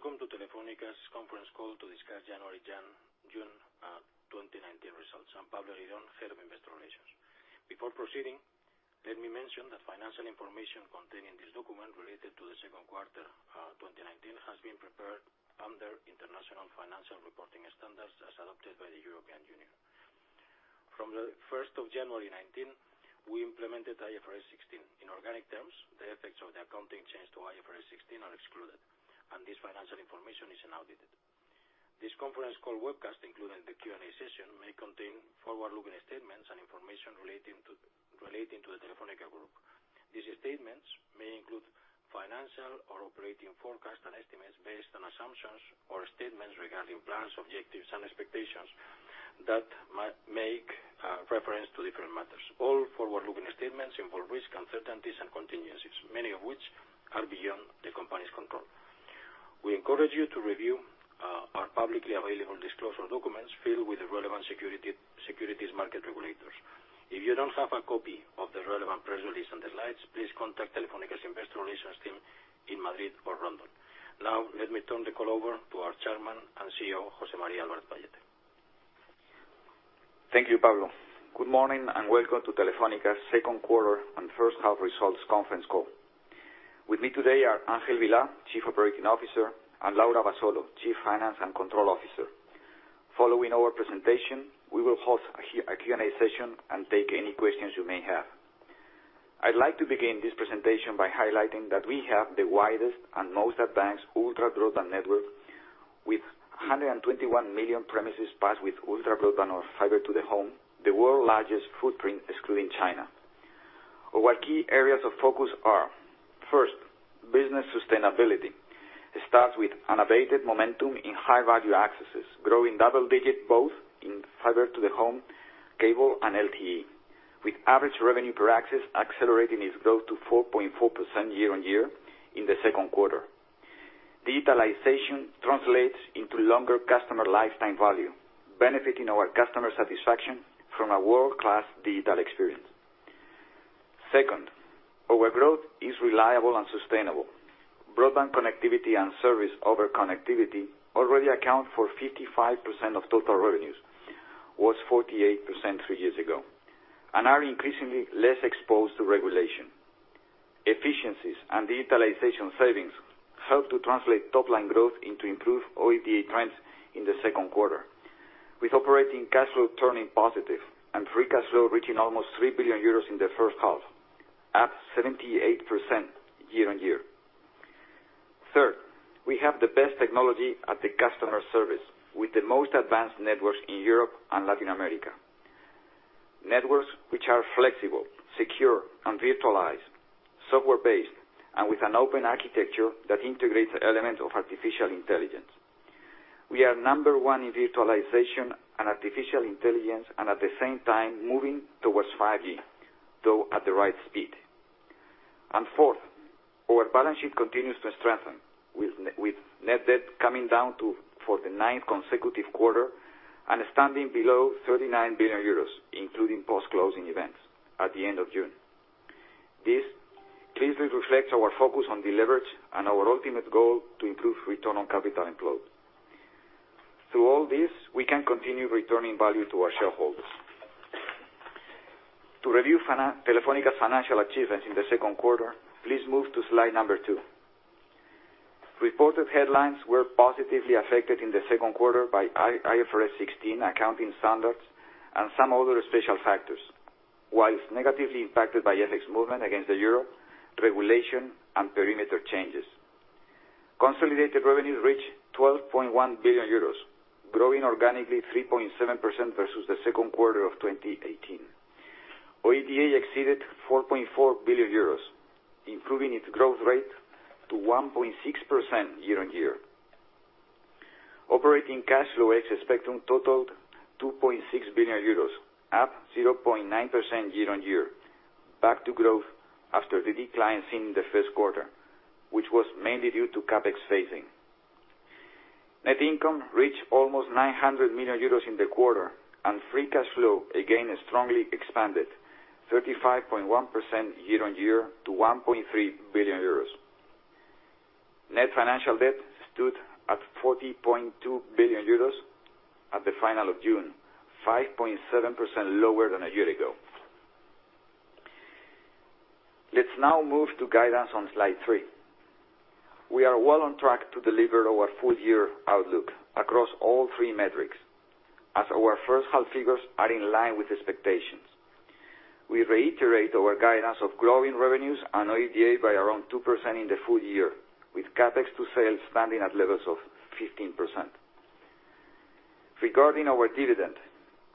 Good morning. Welcome to Telefónica's conference call to discuss January to June 2019 results. I'm Pablo Eguiron, Head of Investor Relations. Before proceeding, let me mention that financial information contained in this document related to the second quarter 2019 has been prepared under International Financial Reporting Standards as adopted by the European Union. From the 1st of January 2019, we implemented IFRS 16. In organic terms, the effects of the accounting change to IFRS 16 are excluded, and this financial information is unaudited. This conference call webcast, including the Q&A session, may contain forward-looking statements and information relating to the Telefónica group. These statements may include financial or operating forecasts and estimates based on assumptions or statements regarding plans, objectives, and expectations that might make reference to different matters. All forward-looking statements involve risks, uncertainties, and contingencies, many of which are beyond the company's control. We encourage you to review our publicly available disclosure documents filed with the relevant securities market regulators. If you don't have a copy of the relevant press release and the slides, please contact Telefónica's investor relations team in Madrid or London. Now, let me turn the call over to our Chairman and CEO, José María Álvarez-Pallete. Thank you, Pablo. Good morning, and welcome to Telefónica's second quarter and first half results conference call. With me today are Ángel Vilá, Chief Operating Officer, and Laura Abasolo, Chief Finance and Control Officer. Following our presentation, we will host a Q&A session and take any questions you may have. I'd like to begin this presentation by highlighting that we have the widest and most advanced ultra-broadband network with 121 million premises passed with ultra-broadband or fiber to the home, the world's largest footprint excluding China. Our key areas of focus are, first, business sustainability. It starts with unabated momentum in high-value accesses, growing double digits both in fiber to the home, cable, and LTE, with average revenue per access accelerating its growth to 4.4% year on year in the second quarter. Digitalization translates into longer customer lifetime value, benefiting our customer satisfaction from a world-class digital experience. Second, our growth is reliable and sustainable. Broadband connectivity and service over connectivity already account for 55% of total revenues, was 48% three years ago, and are increasingly less exposed to regulation. Efficiencies and digitalization savings help to translate top-line growth into improved OIBDA trends in the second quarter, with operating cash flow turning positive and free cash flow reaching almost 3 billion euros in the first half, up 78% year-over-year. Third, we have the best technology at the customer service with the most advanced networks in Europe and Latin America. Networks which are flexible, secure, and virtualized, software-based, and with an open architecture that integrates elements of artificial intelligence. We are number one in virtualization and artificial intelligence, and at the same time moving towards 5G, though at the right speed. Fourth, our balance sheet continues to strengthen with net debt coming down for the ninth consecutive quarter and standing below 39 billion euros, including post-closing events at the end of June. This clearly reflects our focus on deleverage and our ultimate goal to improve return on capital employed. Through all this, we can continue returning value to our shareholders. To review Telefónica's financial achievements in the second quarter, please move to slide number 2. Reported headlines were positively affected in the second quarter by IFRS 16 accounting standards and some other special factors, whilst negatively impacted by FX movement against the euro, regulation, and perimeter changes. Consolidated revenues reached 12.1 billion euros, growing organically 3.7% versus the second quarter of 2018. OIBDA exceeded 4.4 billion euros, improving its growth rate to 1.6% year-on-year. Operating cash flow ex-spectrum totaled 2.6 billion euros, up 0.9% year-on-year, back to growth after the decline seen in the first quarter, which was mainly due to CapEx phasing. Net income reached almost 900 million euros in the quarter, and free cash flow again strongly expanded 35.1% year-on-year to 1.3 billion euros. Net financial debt stood at 40.2 billion euros at the final of June, 5.7% lower than a year ago. Let's now move to guidance on slide three. We are well on track to deliver our full-year outlook across all three metrics, as our first half figures are in line with expectations. We reiterate our guidance of growing revenues and OIBDA by around 2% in the full-year, with CapEx to sales standing at levels of 15%. Regarding our dividend,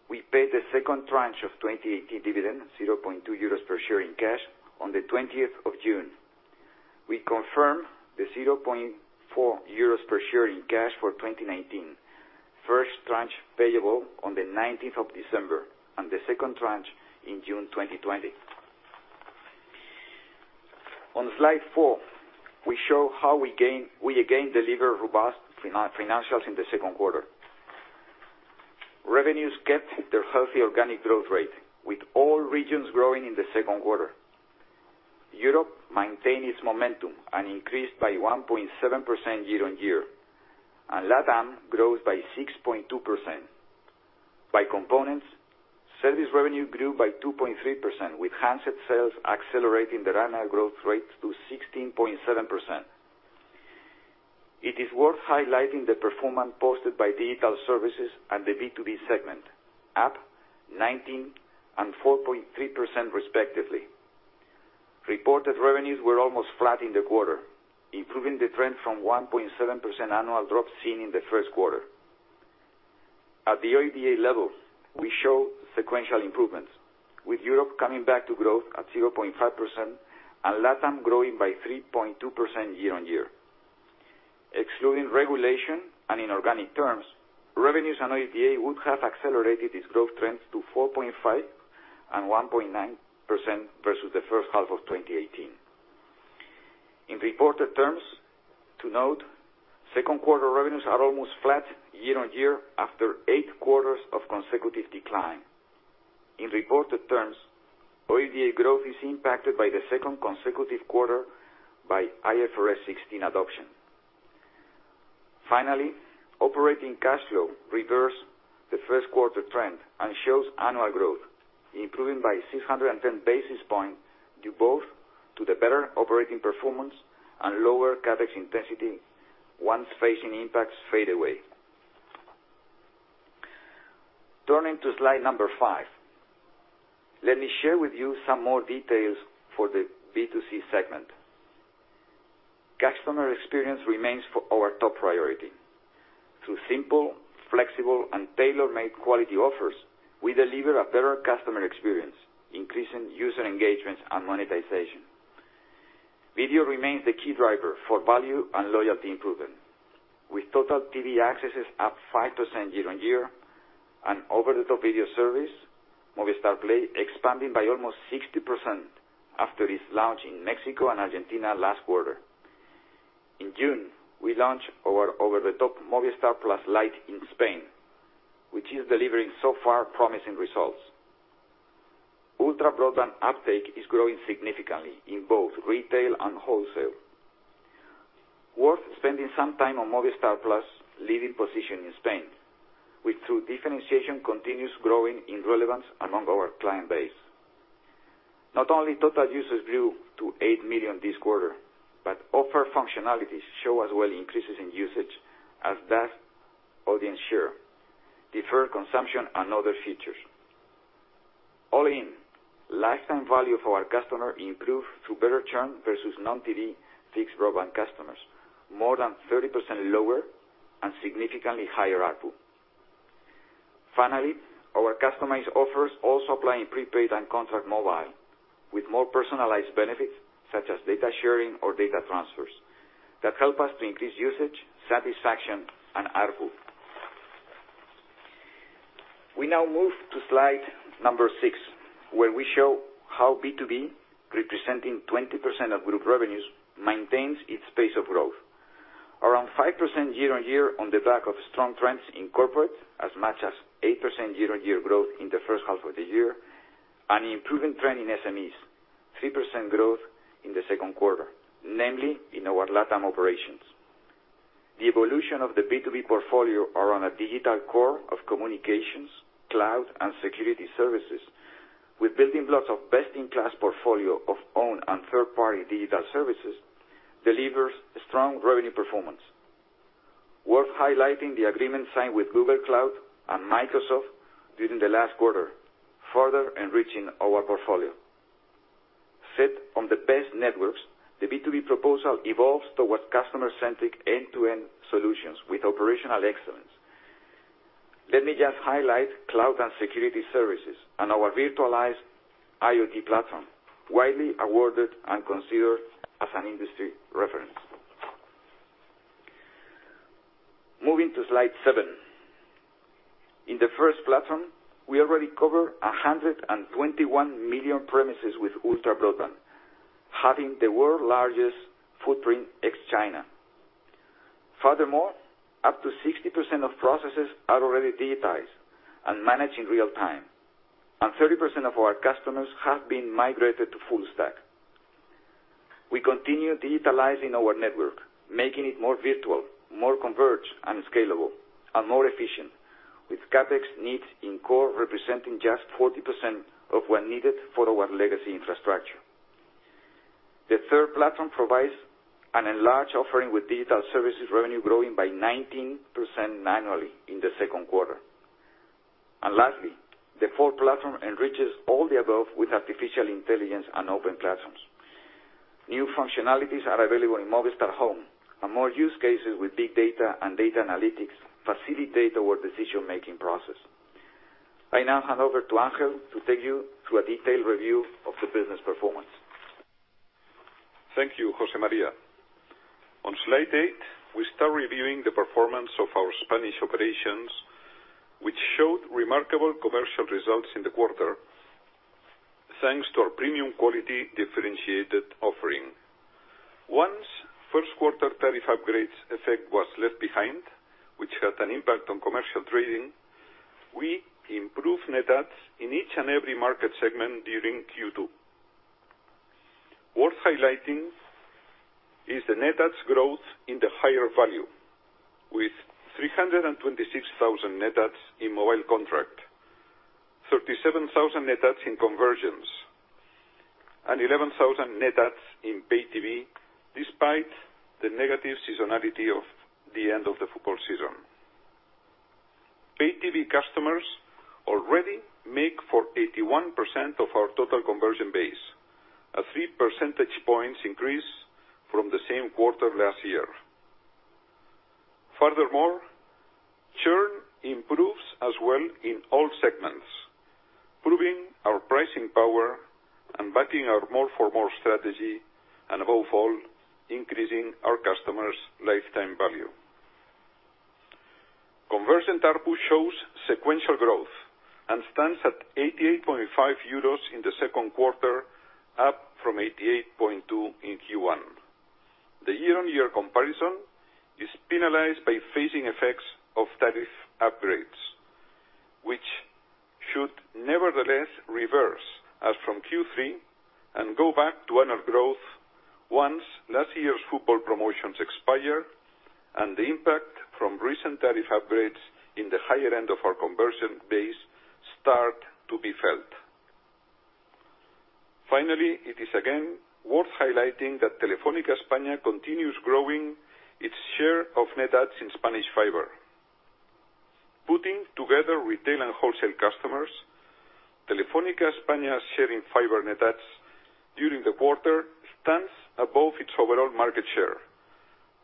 we paid the second tranche of 2018 dividend, 0.2 euros per share in cash, on the 20th of June. We confirm the 0.4 euros per share in cash for 2019, first tranche payable on the 19th of December, and the second tranche in June 2020. On slide 4, we show how we again delivered robust financials in the second quarter. Revenues kept their healthy organic growth rate with all regions growing in the second quarter. Europe maintained its momentum and increased by 1.7% year on year, and LATAM grows by 6.2%. By components, service revenue grew by 2.3%, with handset sales accelerating the annual growth rate to 16.7%. It is worth highlighting the performance posted by digital services and the B2B segment, up 19% and 4.3% respectively. Reported revenues were almost flat in the quarter, improving the trend from 1.7% annual drop seen in the first quarter. At the OIBDA level, we show sequential improvements, with Europe coming back to growth at 0.5% and LATAM growing by 3.2% year on year. Excluding regulation and in organic terms, revenues and OIBDA would have accelerated its growth trends to 4.5% and 1.9% versus the first half of 2018. In reported terms, to note, second quarter revenues are almost flat year-over-year after eight quarters of consecutive decline. In reported terms, OIBDA growth is impacted by the second consecutive quarter by IFRS 16 adoption. Finally, operating cash flow reversed the first quarter trend and shows annual growth, improving by 610 basis points due both to the better operating performance and lower CapEx intensity once facing impacts fade away. Turning to slide number five, let me share with you some more details for the B2C segment. Customer experience remains our top priority. Through simple, flexible, and tailor-made quality offers, we deliver a better customer experience, increasing user engagement and monetization. Video remains the key driver for value and loyalty improvement. With total TV accesses up 5% year-on-year and over-the-top video service, Movistar Play, expanding by almost 60% after its launch in Mexico and Argentina last quarter. In June, we launched our over-the-top Movistar+ Lite in Spain, which is delivering so far promising results. Ultra broadband uptake is growing significantly in both retail and wholesale. Worth spending some time on Movistar Plus' leading position in Spain, which through differentiation, continues growing in relevance among our client base. Not only total users grew to 8 million this quarter, but offer functionalities show as well increases in usage as does audience share, deferred consumption, and other features. All in, lifetime value for our customer improved through better churn versus non-TV fixed broadband customers, more than 30% lower and significantly higher ARPU. Finally, our customized offers also apply in prepaid and contract mobile with more personalized benefits such as data sharing or data transfers that help us to increase usage, satisfaction, and ARPU. We now move to slide number six, where we show how B2B, representing 20% of group revenues, maintains its pace of growth. Around 5% year-on-year on the back of strong trends in corporate, as much as 8% year-on-year growth in the first half of the year, and improving trend in SMEs, 3% growth in the second quarter, namely in our LATAM operations. The evolution of the B2B portfolio around a digital core of communications, cloud, and security services with building blocks of best-in-class portfolio of owned and third-party digital services delivers strong revenue performance. Worth highlighting the agreement signed with Google Cloud and Microsoft during the last quarter, further enriching our portfolio. Set on the best networks, the B2B proposal evolves towards customer-centric end-to-end solutions with operational excellence. Let me just highlight cloud and security services and our virtualized IoT platform, widely awarded and considered as an industry reference. Moving to slide seven. In the first platform, we already cover 121 million premises with ultra broadband, having the world's largest footprint ex-China. Up to 60% of processes are already digitized and managed in real time, and 30% of our customers have been migrated to full stack. We continue digitalizing our network, making it more virtual, more converged and scalable, and more efficient with CapEx needs in core representing just 40% of what needed for our legacy infrastructure. The third platform provides an enlarged offering with digital services revenue growing by 19% annually in the second quarter. Lastly, the fourth platform enriches all the above with artificial intelligence and open platforms. New functionalities are available in Movistar Home and more use cases with big data and data analytics facilitate our decision-making process. I now hand over to Ángel to take you through a detailed review of the business performance. Thank you, José María. On slide eight, we start reviewing the performance of our Spanish operations, which showed remarkable commercial results in the quarter. Thanks to our premium quality differentiated offering. Once first quarter tariff upgrades effect was left behind, which had an impact on commercial trading, we improved net adds in each and every market segment during Q2. Worth highlighting is the net adds growth in the higher value with 326,000 net adds in mobile contract, 37,000 net adds in conversions, and 11,000 net adds in pay TV, despite the negative seasonality of the end of the football season. Pay TV customers already make for 81% of our total conversion base, a three percentage points increase from the same quarter last year. Furthermore, churn improves as well in all segments, proving our pricing power and backing our more for more strategy, and above all, increasing our customers' lifetime value. Conversion ARPU shows sequential growth and stands at 88.5 euros in the second quarter, up from 88.2 in Q1. The year-on-year comparison is penalized by phasing effects of tariff upgrades, which should nevertheless reverse as from Q3 and go back to annual growth once last year's football promotions expire and the impact from recent tariff upgrades in the higher end of our conversion base start to be felt. Finally, it is again worth highlighting that Telefónica España continues growing its share of net adds in Spanish fiber. Putting together retail and wholesale customers, Telefónica España's share in fiber net adds during the quarter stands above its overall market share,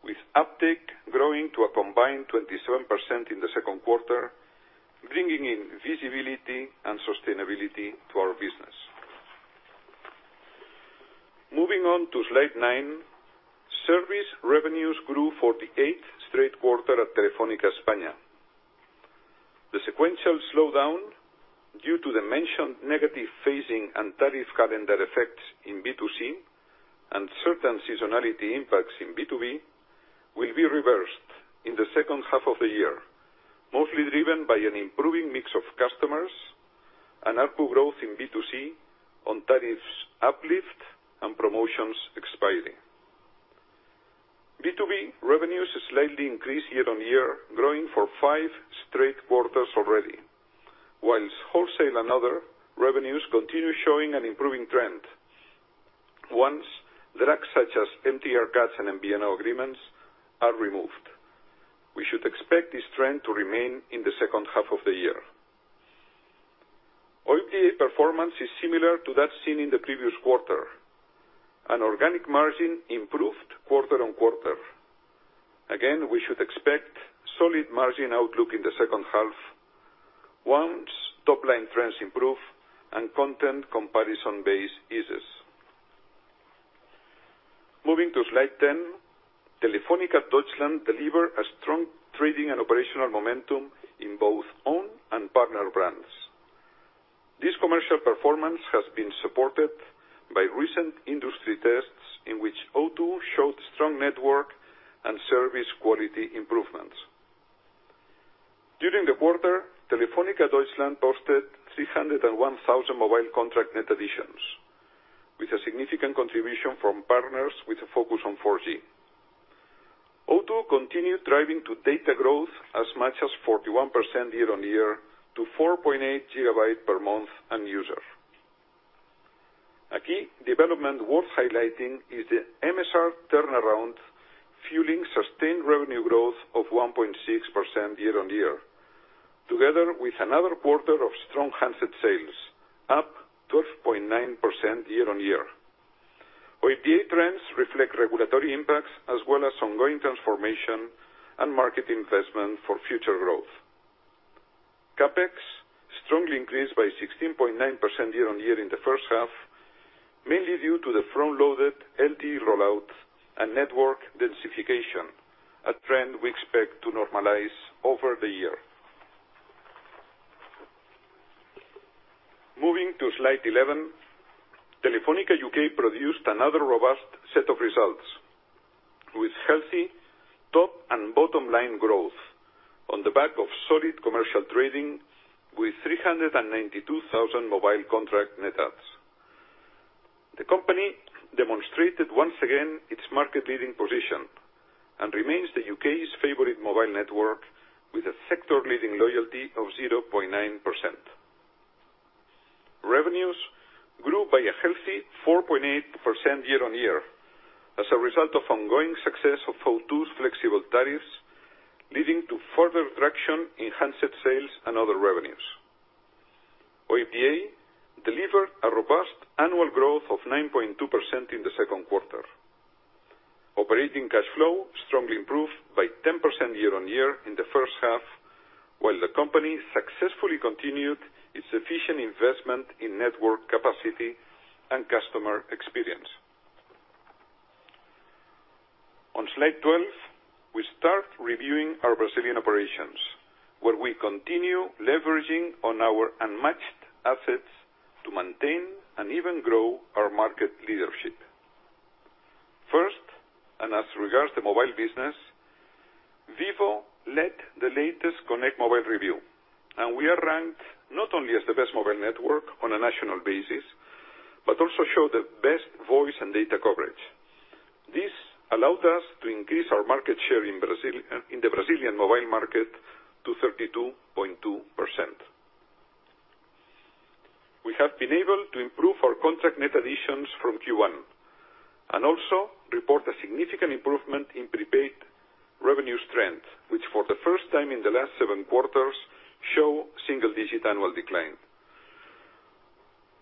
with uptake growing to a combined 27% in the second quarter, bringing in visibility and sustainability to our business. Moving on to slide nine, service revenues grew for the eighth straight quarter at Telefónica España. The sequential slowdown due to the mentioned negative phasing and tariff calendar effects in B2C and certain seasonality impacts in B2B will be reversed in the second half of the year, mostly driven by an improving mix of customers and ARPU growth in B2C on tariffs uplift and promotions expiring. B2B revenues slightly increased year-on-year, growing for five straight quarters already. Whilst wholesale and other revenues continue showing an improving trend, once drags such as MTR cuts and MVNO agreements are removed. We should expect this trend to remain in the second half of the year. OIBDA performance is similar to that seen in the previous quarter. An organic margin improved quarter-on-quarter. Again, we should expect solid margin outlook in the second half once top-line trends improve and content comparison base eases. Moving to slide 10, Telefónica Deutschland deliver a strong trading and operational momentum in both own and partner brands. This commercial performance has been supported by recent industry tests in which O2 showed strong network and service quality improvements. During the quarter, Telefónica Deutschland posted 301,000 mobile contract net additions, with a significant contribution from partners with a focus on 4G. O2 continued driving to data growth as much as 41% year-on-year to 4.8 GB per month and user. A key development worth highlighting is the MSR turnaround, fueling sustained revenue growth of 1.6% year-on-year, together with another quarter of strong handset sales, up 12.9% year-on-year. OIBDA trends reflect regulatory impacts as well as ongoing transformation and market investment for future growth. CapEx strongly increased by 16.9% year-on-year in the first half, mainly due to the front-loaded LTE rollout and network densification, a trend we expect to normalize over the year. Moving to slide 11, Telefónica UK produced another robust set of results with healthy top and bottom line growth on the back of solid commercial trading with 392,000 mobile contract net adds. The company demonstrated once again its market leading position and remains the U.K.'s favorite mobile network with a sector leading loyalty of 0.9%. Revenues grew by a healthy 4.8% year-on-year as a result of ongoing success of O2's flexible tariffs, leading to further traction in handset sales and other revenues. OIBDA delivered a robust annual growth of 9.2% in the second quarter. Operating cash flow strongly improved by 10% year-on-year in the first half, while the company successfully continued its efficient investment in network capacity and customer experience. On slide 12, we start reviewing our Brazilian operations, where we continue leveraging on our unmatched assets to maintain and even grow our market leadership. First, as regards to mobile business, Vivo led the latest Connect Mobile review, and we are ranked not only as the best mobile network on a national basis, but also show the best voice and data coverage. This allowed us to increase our market share in the Brazilian mobile market to 32.2%. We have been able to improve our contract net additions from Q1, and also report a significant improvement in prepaid revenue strength, which for the first time in the last seven quarters show single-digit annual decline.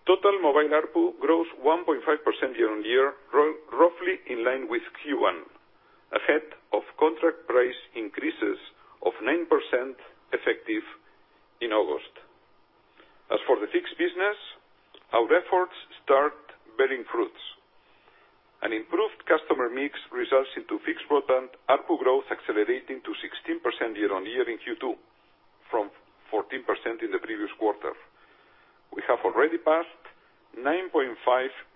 Total mobile ARPU grows 1.5% year-on-year, roughly in line with Q1, ahead of contract price increases of 9% effective in August. As for the fixed business, our efforts start bearing fruits. An improved customer mix results into fixed broadband ARPU growth accelerating to 16% year-on-year in Q2, from 14% in the previous quarter. We have already passed 9.5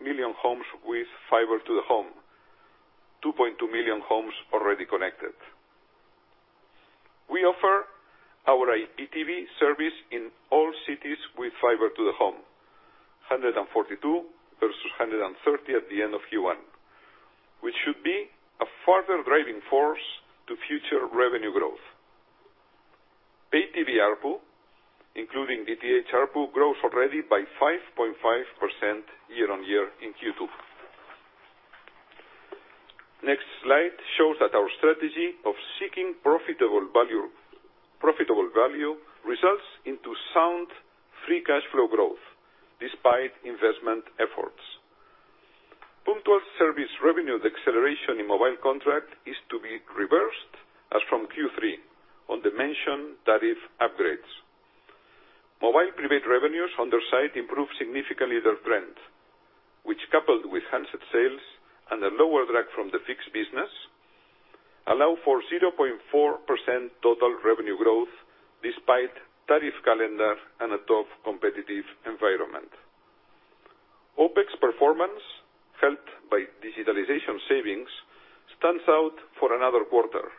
million homes with fiber to the home, 2.2 million homes already connected. We offer our IPTV service in all cities with fiber to the home, 142 versus 130 at the end of Q1, which should be a further driving force to future revenue growth. Pay TV ARPU, including DTH ARPU, grows already by 5.5% year-on-year in Q2. Next slide shows that our strategy of seeking profitable value results into sound free cash flow growth despite investment efforts. Point-to-service revenue acceleration in mobile contract is to be reversed as from Q3 on the mentioned tariff upgrades. Mobile prepaid revenues on their side improve significantly their trend, which coupled with handset sales and a lower drag from the fixed business, allow for 0.4% total revenue growth despite tariff calendar and a tough competitive environment. OPEX performance, helped by digitalization savings, stands out for another quarter.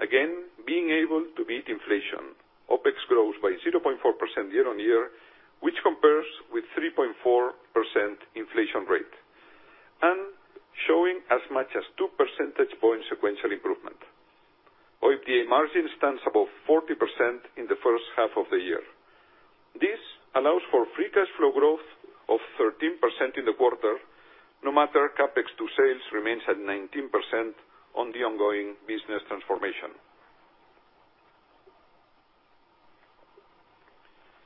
Again, being able to beat inflation. OPEX grows by 0.4% year-on-year, which compares with 3.4% inflation rate, and showing as much as two percentage points sequential improvement. OIBDA margin stands above 40% in the first half of the year. This allows for free cash flow growth of 13% in the quarter, no matter CapEx to sales remains at 19% on the ongoing business transformation.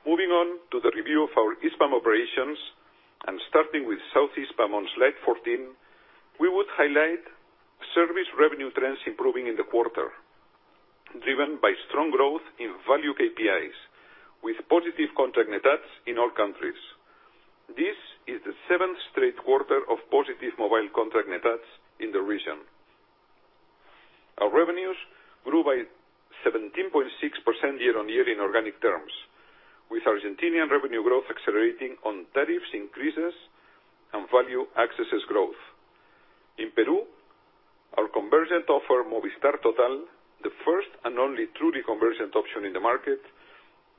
Moving on to the review of our Hispam operations and starting with Southeast Hispam on slide 14, we would highlight service revenue trends improving in the quarter, driven by strong growth in value KPIs, with positive contract net adds in all countries. This is the seventh straight quarter of positive mobile contract net adds in the region. Our revenues grew by 17.6% year-on-year in organic terms, with Argentinian revenue growth accelerating on tariffs increases and value accesses growth. In Peru, our convergent offer, Movistar Total, the first and only truly convergent option in the market,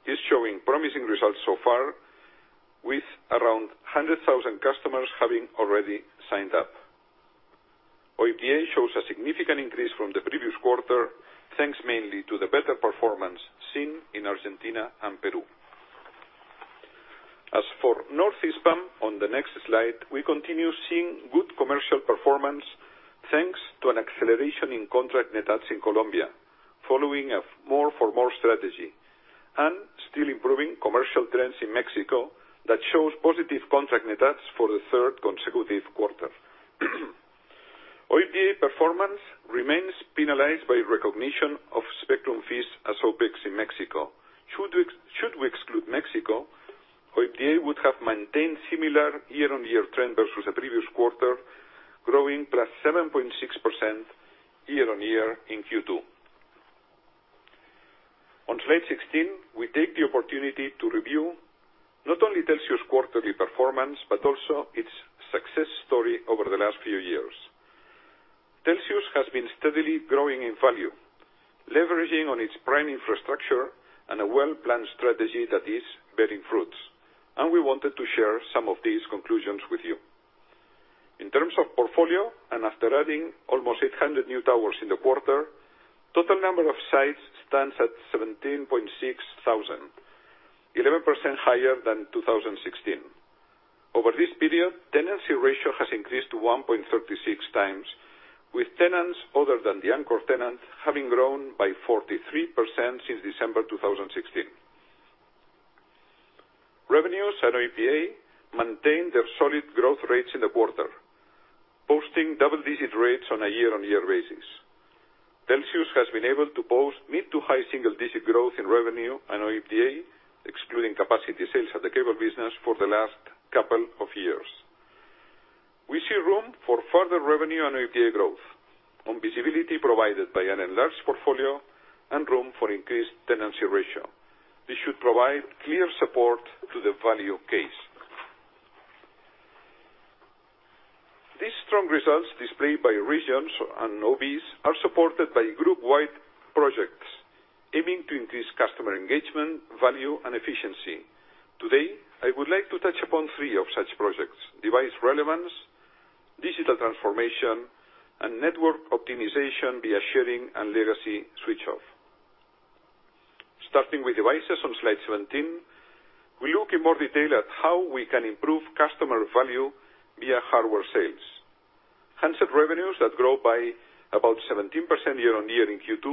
is showing promising results so far with around 100,000 customers having already signed up. OIBDA shows a significant increase from the previous quarter, thanks mainly to the better performance seen in Argentina and Peru. As for North Hispam, on the next slide, we continue seeing good commercial performance thanks to an acceleration in contract net adds in Colombia following a more for more strategy and still improving commercial trends in Mexico that shows positive contract net adds for the third consecutive quarter. OIBDA performance remains penalized by recognition of spectrum fees as OPEX in Mexico. Should we exclude Mexico, OIBDA would have maintained similar year-on-year trend versus the previous quarter, growing +7.6% year-on-year in Q2. On slide 16, we take the opportunity to review not only Telxius quarterly performance, but also its success story over the last few years. Telxius has been steadily growing in value, leveraging on its prime infrastructure and a well-planned strategy that is bearing fruits, and we wanted to share some of these conclusions with you. In terms of portfolio, and after adding almost 800 new towers in the quarter, total number of sites stands at 17,600, 11% higher than 2016. Over this period, tenancy ratio has increased to 1.36 times, with tenants other than the anchor tenant having grown by 43% since December 2016. Revenues and OIBDA maintained their solid growth rates in the quarter, posting double-digit rates on a year-on-year basis. Telxius has been able to post mid to high single digit growth in revenue and OIBDA, excluding capacity sales at the cable business for the last couple of years. We see room for further revenue and OIBDA growth on visibility provided by an enlarged portfolio and room for increased tenancy ratio. This should provide clear support to the value case. These strong results displayed by regions and OBs are supported by group-wide projects aiming to increase customer engagement, value, and efficiency. Today, I would like to touch upon three of such projects, device relevance, digital transformation, and network optimization via sharing and legacy switch off. Starting with devices on slide 17, we look in more detail at how we can improve customer value via hardware sales. Handset revenues that grow by about 17% year-over-year in Q2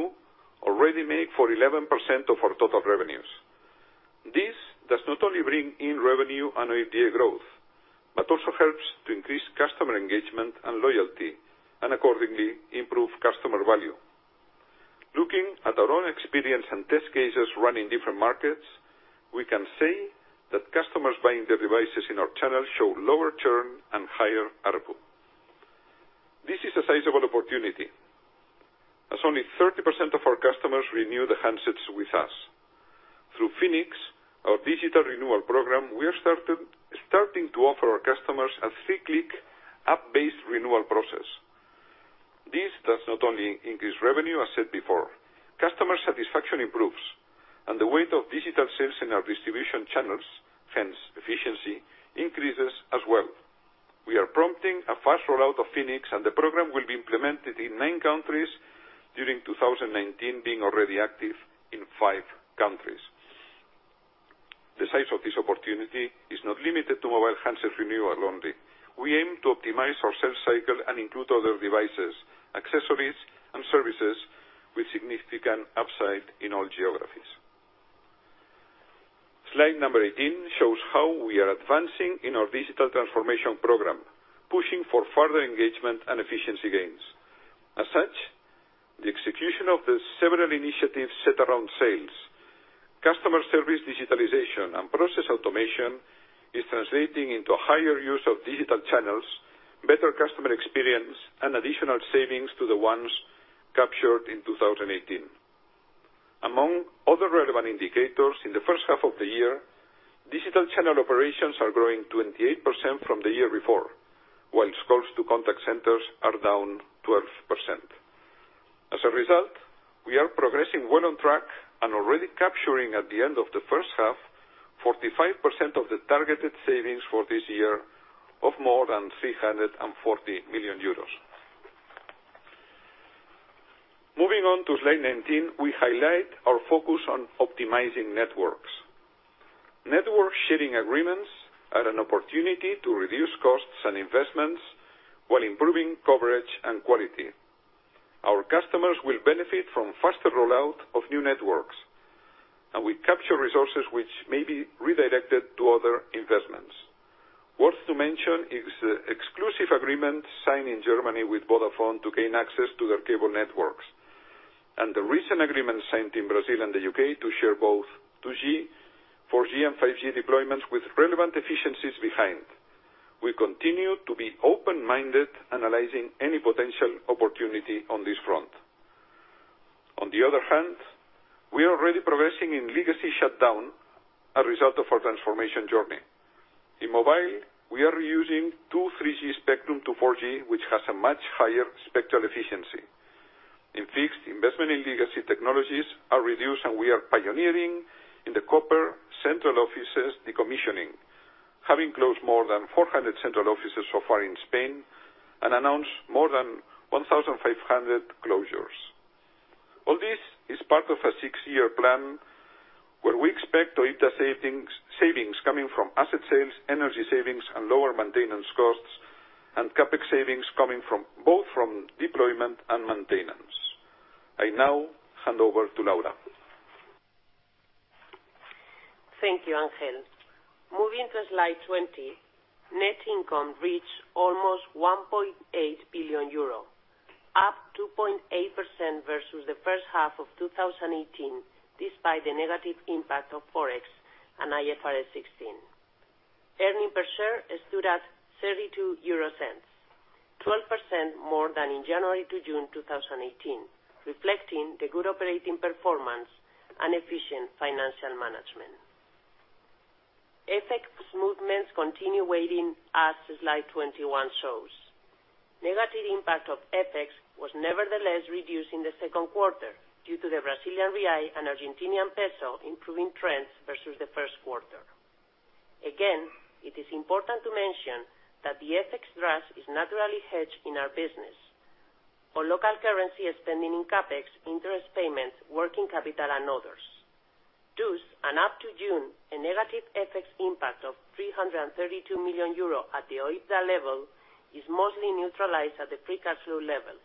already make for 11% of our total revenues. This does not only bring in revenue and OIBDA growth, but also helps to increase customer engagement and loyalty, and accordingly, improve customer value. Looking at our own experience and test cases run in different markets, we can say that customers buying their devices in our channel show lower churn and higher ARPU. This is a sizable opportunity, as only 30% of our customers renew their handsets with us. Through Phoenix, our digital renewal program, we are starting to offer our customers a three-click, app-based renewal process. This does not only increase revenue, as said before, customer satisfaction improves and the weight of digital sales in our distribution channels, hence efficiency, increases as well. We are prompting a fast rollout of Phoenix, and the program will be implemented in nine countries during 2019, being already active in five countries. The size of this opportunity is not limited to mobile handset renewal only. We aim to optimize our sales cycle and include other devices, accessories, and services with significant upside in all geographies. Slide number 18 shows how we are advancing in our digital transformation program, pushing for further engagement and efficiency gains. As such, the execution of the several initiatives set around sales, customer service digitalization, and process automation is translating into higher use of digital channels, better customer experience, and additional savings to the ones captured in 2018. Among other relevant indicators in the first half of the year, digital channel operations are growing 28% from the year before, while calls to contact centers are down 12%. As a result, we are progressing well on track and already capturing at the end of the first half, 45% of the targeted savings for this year of more than 340 million euros. Moving on to slide 19, we highlight our focus on optimizing networks. Network sharing agreements are an opportunity to reduce costs and investments while improving coverage and quality. Our customers will benefit from faster rollout of new networks, and we capture resources which may be redirected to other investments. Worth to mention is the exclusive agreement signed in Germany with Vodafone to gain access to their cable networks, and the recent agreement signed in Brazil and the U.K. to share both 2G, 4G, and 5G deployments with relevant efficiencies behind. We continue to be open-minded, analyzing any potential opportunity on this front. We are already progressing in legacy shutdown, a result of our transformation journey. In mobile, we are reusing 2G, 3G spectrum to 4G, which has a much higher spectral efficiency. In fixed, investment in legacy technologies are reduced, and we are pioneering in the copper central offices decommissioning, having closed more than 400 central offices so far in Spain and announced more than 1,500 closures. All this is part of a six-year plan where we expect OIBDA savings coming from asset sales, energy savings, and lower maintenance costs, and CapEx savings coming both from deployment and maintenance. I now hand over to Laura. Thank you, Ángel. Moving to slide 20, net income reached almost 1.8 billion euro, up 2.8% versus the first half of 2018, despite the negative impact of Forex and IFRS 16. Earnings per share stood at 0.32, 12% more than in January to June 2018, reflecting the good operating performance and efficient financial management. FX movements continue weighting as slide 21 shows. Negative impact of FX was nevertheless reduced in the second quarter due to the Brazilian real and Argentinian peso improving trends versus the first quarter. Again, it is important to mention that the FX risk is naturally hedged in our business for local currency spending in CapEx, interest payments, working capital, and others. Thus, and up to June, a negative FX impact of 332 million euro at the OIBDA level is mostly neutralized at the free cash flow level,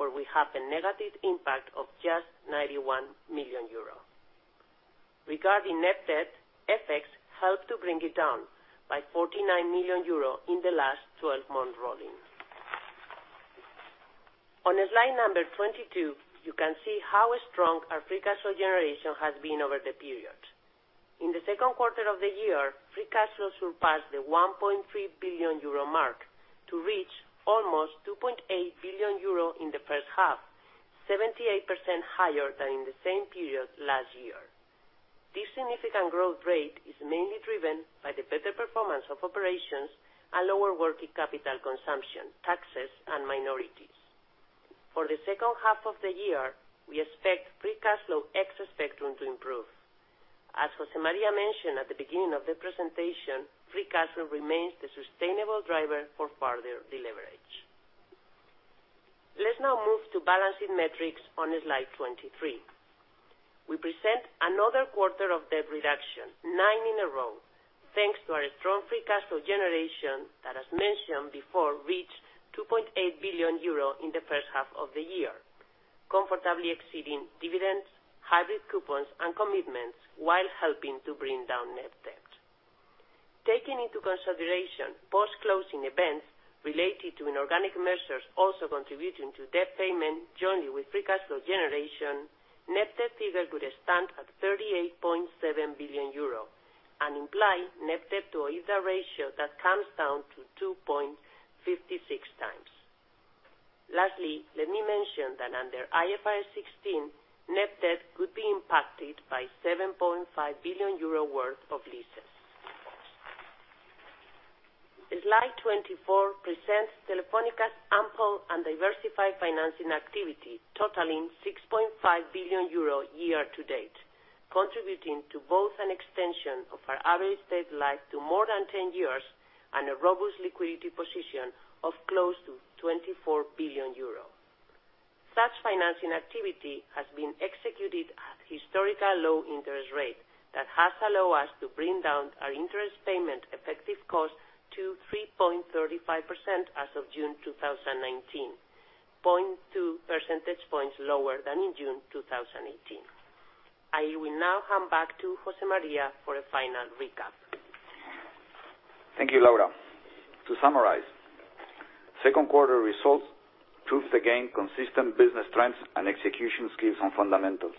where we have a negative impact of just 91 million euro. Regarding net debt, FX helped to bring it down by 49 million euro in the last 12 months rolling. On slide number 22, you can see how strong our free cash flow generation has been over the period. In the second quarter of the year, free cash flow surpassed the 1.3 billion euro mark to reach almost 2.8 billion euro in the first half, 78% higher than in the same period last year. This significant growth rate is mainly driven by the better performance of operations and lower working capital consumption, taxes, and minorities. For the second half of the year, we expect free cash flow ex-spectrum to improve. As José María mentioned at the beginning of the presentation, free cash flow remains the sustainable driver for further deleverage. Let's now move to balancing metrics on slide 23. We present another quarter of debt reduction, nine in a row, thanks to our strong free cash flow generation that as mentioned before, reached 2.8 billion euro in the first half of the year, comfortably exceeding dividends, hybrid coupons, and commitments while helping to bring down net debt. Taking into consideration post-closing events related to inorganic measures also contributing to debt payment jointly with free cash flow generation, net debt figure would stand at 38.7 billion euro and imply net debt to EBITDA ratio that comes down to 2.56 times. Lastly, let me mention that under IFRS 16, net debt could be impacted by 7.5 billion euro worth of leases. Slide 24 presents Telefónica's ample and diversified financing activity totaling 6.5 billion euro year to date, contributing to both an extension of our average state life to more than 10 years and a robust liquidity position of close to 24 billion euro. Such financing activity has been executed at historical low interest rate that has allowed us to bring down our interest payment effective cost to 3.35% as of June 2019. 0.2 percentage points lower than in June 2018. I will now hand back to José María for a final recap. Thank you, Laura. To summarize, second quarter results proves again consistent business trends and execution skills and fundamentals.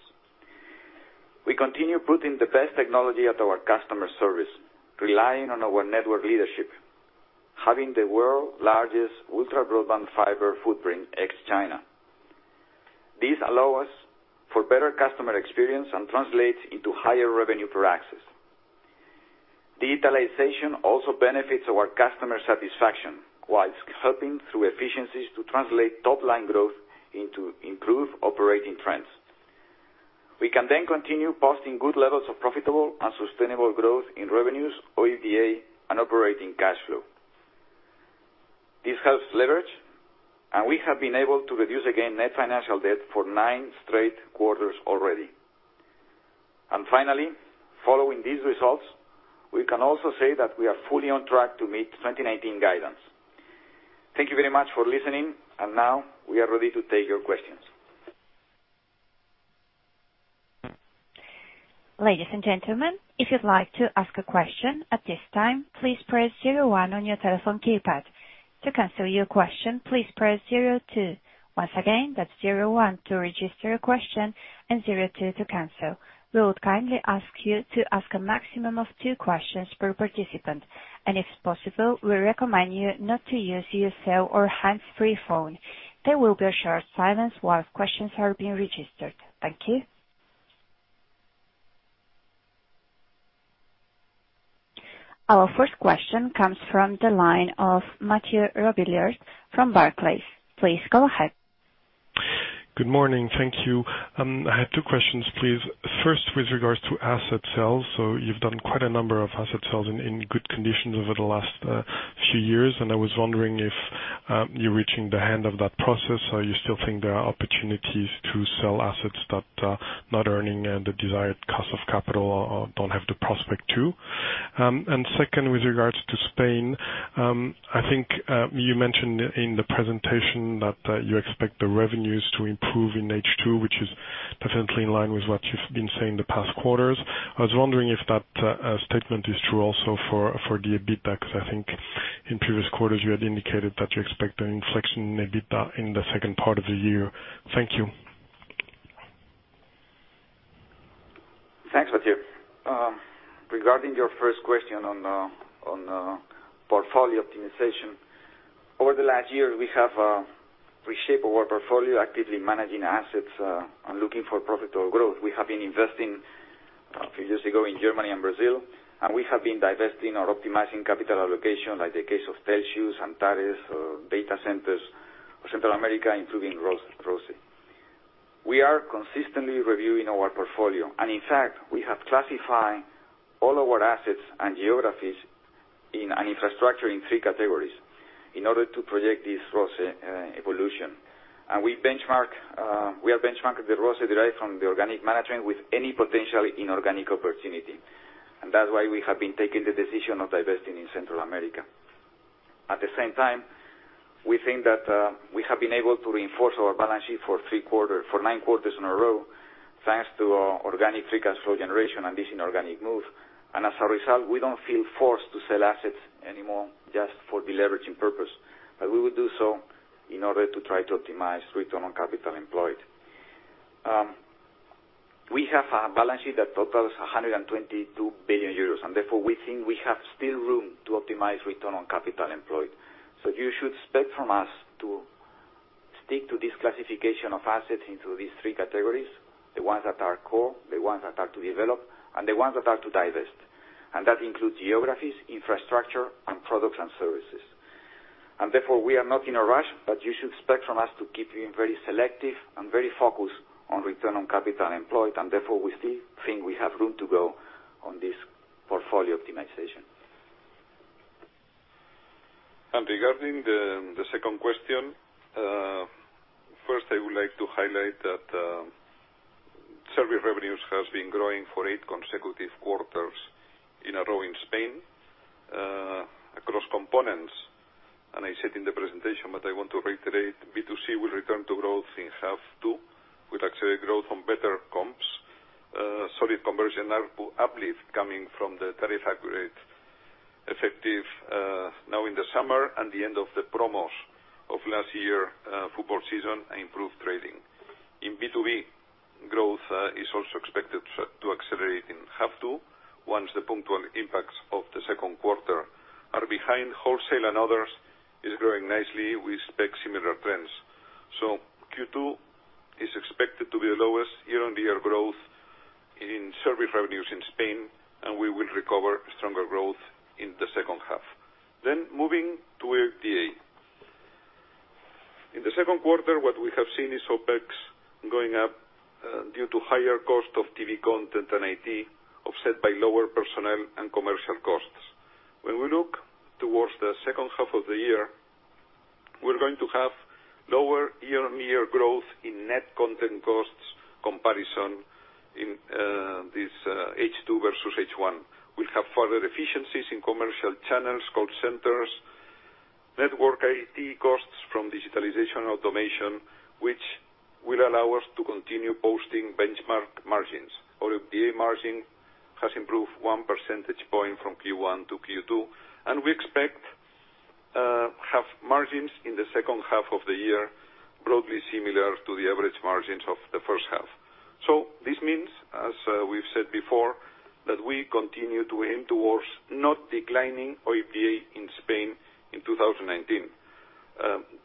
We continue putting the best technology at our customer service, relying on our network leadership, having the world's largest ultra-broadband fiber footprint ex-China. This allow us for better customer experience and translates into higher revenue per axis. Digitalization also benefits our customer satisfaction whilst helping through efficiencies to translate top-line growth into improved operating trends. We can then continue posting good levels of profitable and sustainable growth in revenues or EVA and operating cash flow. This helps leverage, and we have been able to reduce again net financial debt for nine straight quarters already. Finally, following these results, we can also say that we are fully on track to meet 2019 guidance. Thank you very much for listening, and now we are ready to take your questions. Ladies and gentlemen, if you'd like to ask a question at this time, please press zero one on your telephone keypad. To cancel your question, please press zero two. Once again, that's zero one to register a question and zero two to cancel. We would kindly ask you to ask a maximum of two questions per participant. If possible, we recommend you not to use your cell or hands-free phone. There will be a short silence while questions are being registered. Thank you. Our first question comes from the line of Mathieu Robilliard from Barclays. Please go ahead. Good morning. Thank you. I have two questions, please. First, with regards to asset sales. You've done quite a number of asset sales in good conditions over the last few years, and I was wondering if you're reaching the end of that process, or you still think there are opportunities to sell assets that are not earning the desired cost of capital or don't have the prospect to. Second, with regards to Spain, I think you mentioned in the presentation that you expect the revenues to improve in H2, which is definitely in line with what you've been saying the past quarters. I was wondering if that statement is true also for the EBITDA, because I think in previous quarters you had indicated that you expect an inflection in EBITDA in the second part of the year. Thank you. Thanks, Mathieu. Regarding your first question on the portfolio optimization. Over the last year, we have reshaped our portfolio, actively managing assets, and looking for profitable growth. We have been investing a few years ago in Germany and Brazil, and we have been divesting or optimizing capital allocation, like the case of Telxius, Antares, data centers, or Central America, including ROCE. We are consistently reviewing our portfolio, and in fact, we have classified all our assets and geographies in an infrastructure in 3 categories in order to project this ROCE evolution. We have benchmarked the ROCE derived from the organic management with any potential inorganic opportunity. That's why we have been taking the decision of divesting in Central America. At the same time, we think that we have been able to reinforce our balance sheet for nine quarters in a row, thanks to our organic free cash flow generation and this inorganic move. As a result, we don't feel forced to sell assets anymore just for deleveraging purpose. We will do so in order to try to optimize Return on Capital Employed. We have a balance sheet that totals 122 billion euros, and therefore, we think we have still room to optimize Return on Capital Employed. You should expect from us to stick to this classification of assets into these three categories, the ones that are core, the ones that are to develop, and the ones that are to divest. That includes geographies, infrastructure, and products and services. Therefore, we are not in a rush, but you should expect from us to keep being very selective and very focused on return on capital employed. Therefore, we still think we have room to go on this portfolio optimization. Regarding the second question, first I would like to highlight that service revenues has been growing for eight consecutive quarters in a row in Spain, across components. I said in the presentation, but I want to reiterate, B2C will return to growth in half two, with accelerated growth on better comps, solid conversion ARPU uplift coming from the tariff upgrade effective now in the summer, and the end of the promos of last year football season, and improved trading. In B2B, growth is also expected to accelerate in half two, once the punctual impacts of the second quarter are behind. Wholesale and others is growing nicely. We expect similar trends. Q2 is expected to be the lowest year-over-year growth in service revenues in Spain, and we will recover stronger growth in the second half. Moving to OIBDA. In the second quarter, what we have seen is OPEX going up due to higher cost of TV content and IT, offset by lower personnel and commercial costs. When we look towards the second half of the year, we're going to have lower year-on-year growth in net content costs comparison in this H2 versus H1. We'll have further efficiencies in commercial channels, call centers, network IT costs from digitalization automation, which will allow us to continue posting benchmark margins. OIBDA margin has improved one percentage point from Q1 to Q2, and we expect half margins in the second half of the year broadly similar to the average margins of the first half. This means, as we've said before, that we continue to aim towards not declining OIBDA in Spain in 2019,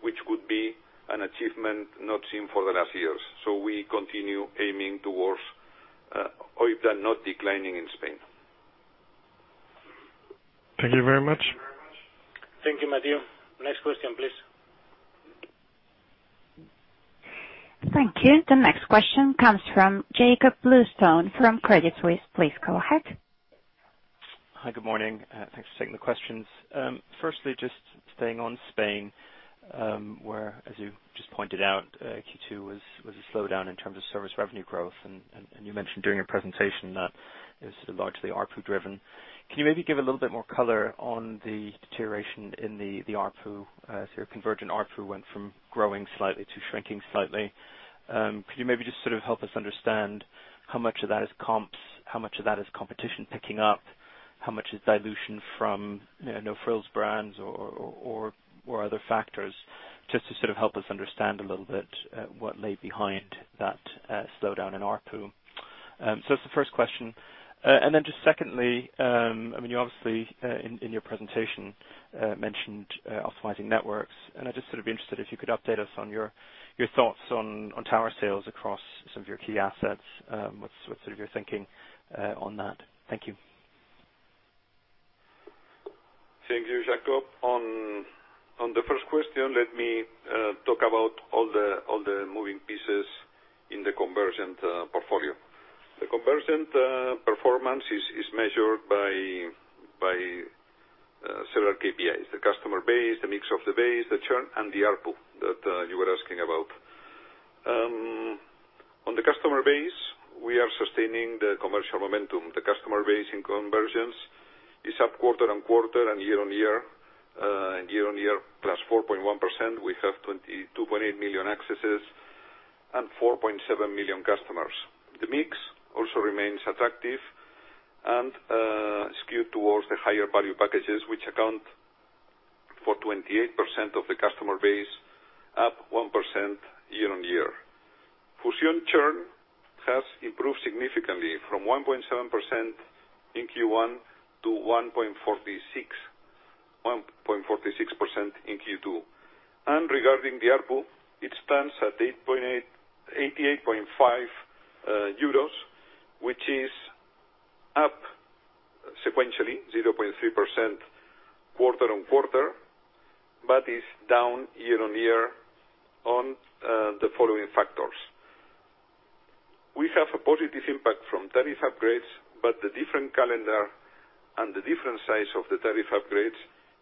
which would be an achievement not seen for the last years. We continue aiming towards OIBDA not declining in Spain. Thank you very much. Thank you, Mathieu. Next question, please. Thank you. The next question comes from Jakob Bluestone from Credit Suisse. Please go ahead. Hi, good morning. Thanks for taking the questions. Firstly, just staying on Spain, where, as you just pointed out, Q2 was a slowdown in terms of service revenue growth, and you mentioned during your presentation that it was largely ARPU driven. Can you maybe give a little bit more color on the deterioration in the ARPU? Your convergent ARPU went from growing slightly to shrinking slightly. Could you maybe just help us understand how much of that is comps, how much of that is competition picking up, how much is dilution from no-frills brands or other factors, just to help us understand a little bit what lay behind that slowdown in ARPU? That's the first question. Just secondly, you obviously, in your presentation, mentioned optimizing networks, and I'd just sort of be interested if you could update us on your thoughts on tower sales across some of your key assets. What's your thinking on that? Thank you. Thank you, Jakob. On the first question, let me talk about all the moving pieces in the convergent portfolio. The convergent performance is measured by several KPIs, the customer base, the mix of the base, the churn, and the ARPU that you were asking about. On the customer base, we are sustaining the commercial momentum. The customer base in convergence is up quarter-on-quarter and year-on-year. Year-on-year, plus 4.1%, we have 22.8 million accesses and 4.7 million customers. The mix also remains attractive and skewed towards the higher value packages, which account for 28% of the customer base, up 1% year-on-year. Fusión churn has improved significantly from 1.7% in Q1 to 1.46% in Q2. Regarding the ARPU, it stands at 88.5 euros, which is up sequentially 0.3% quarter-on-quarter, but is down year-on-year on the following factors. We have a positive impact from tariff upgrades, the different calendar and the different size of the tariff upgrades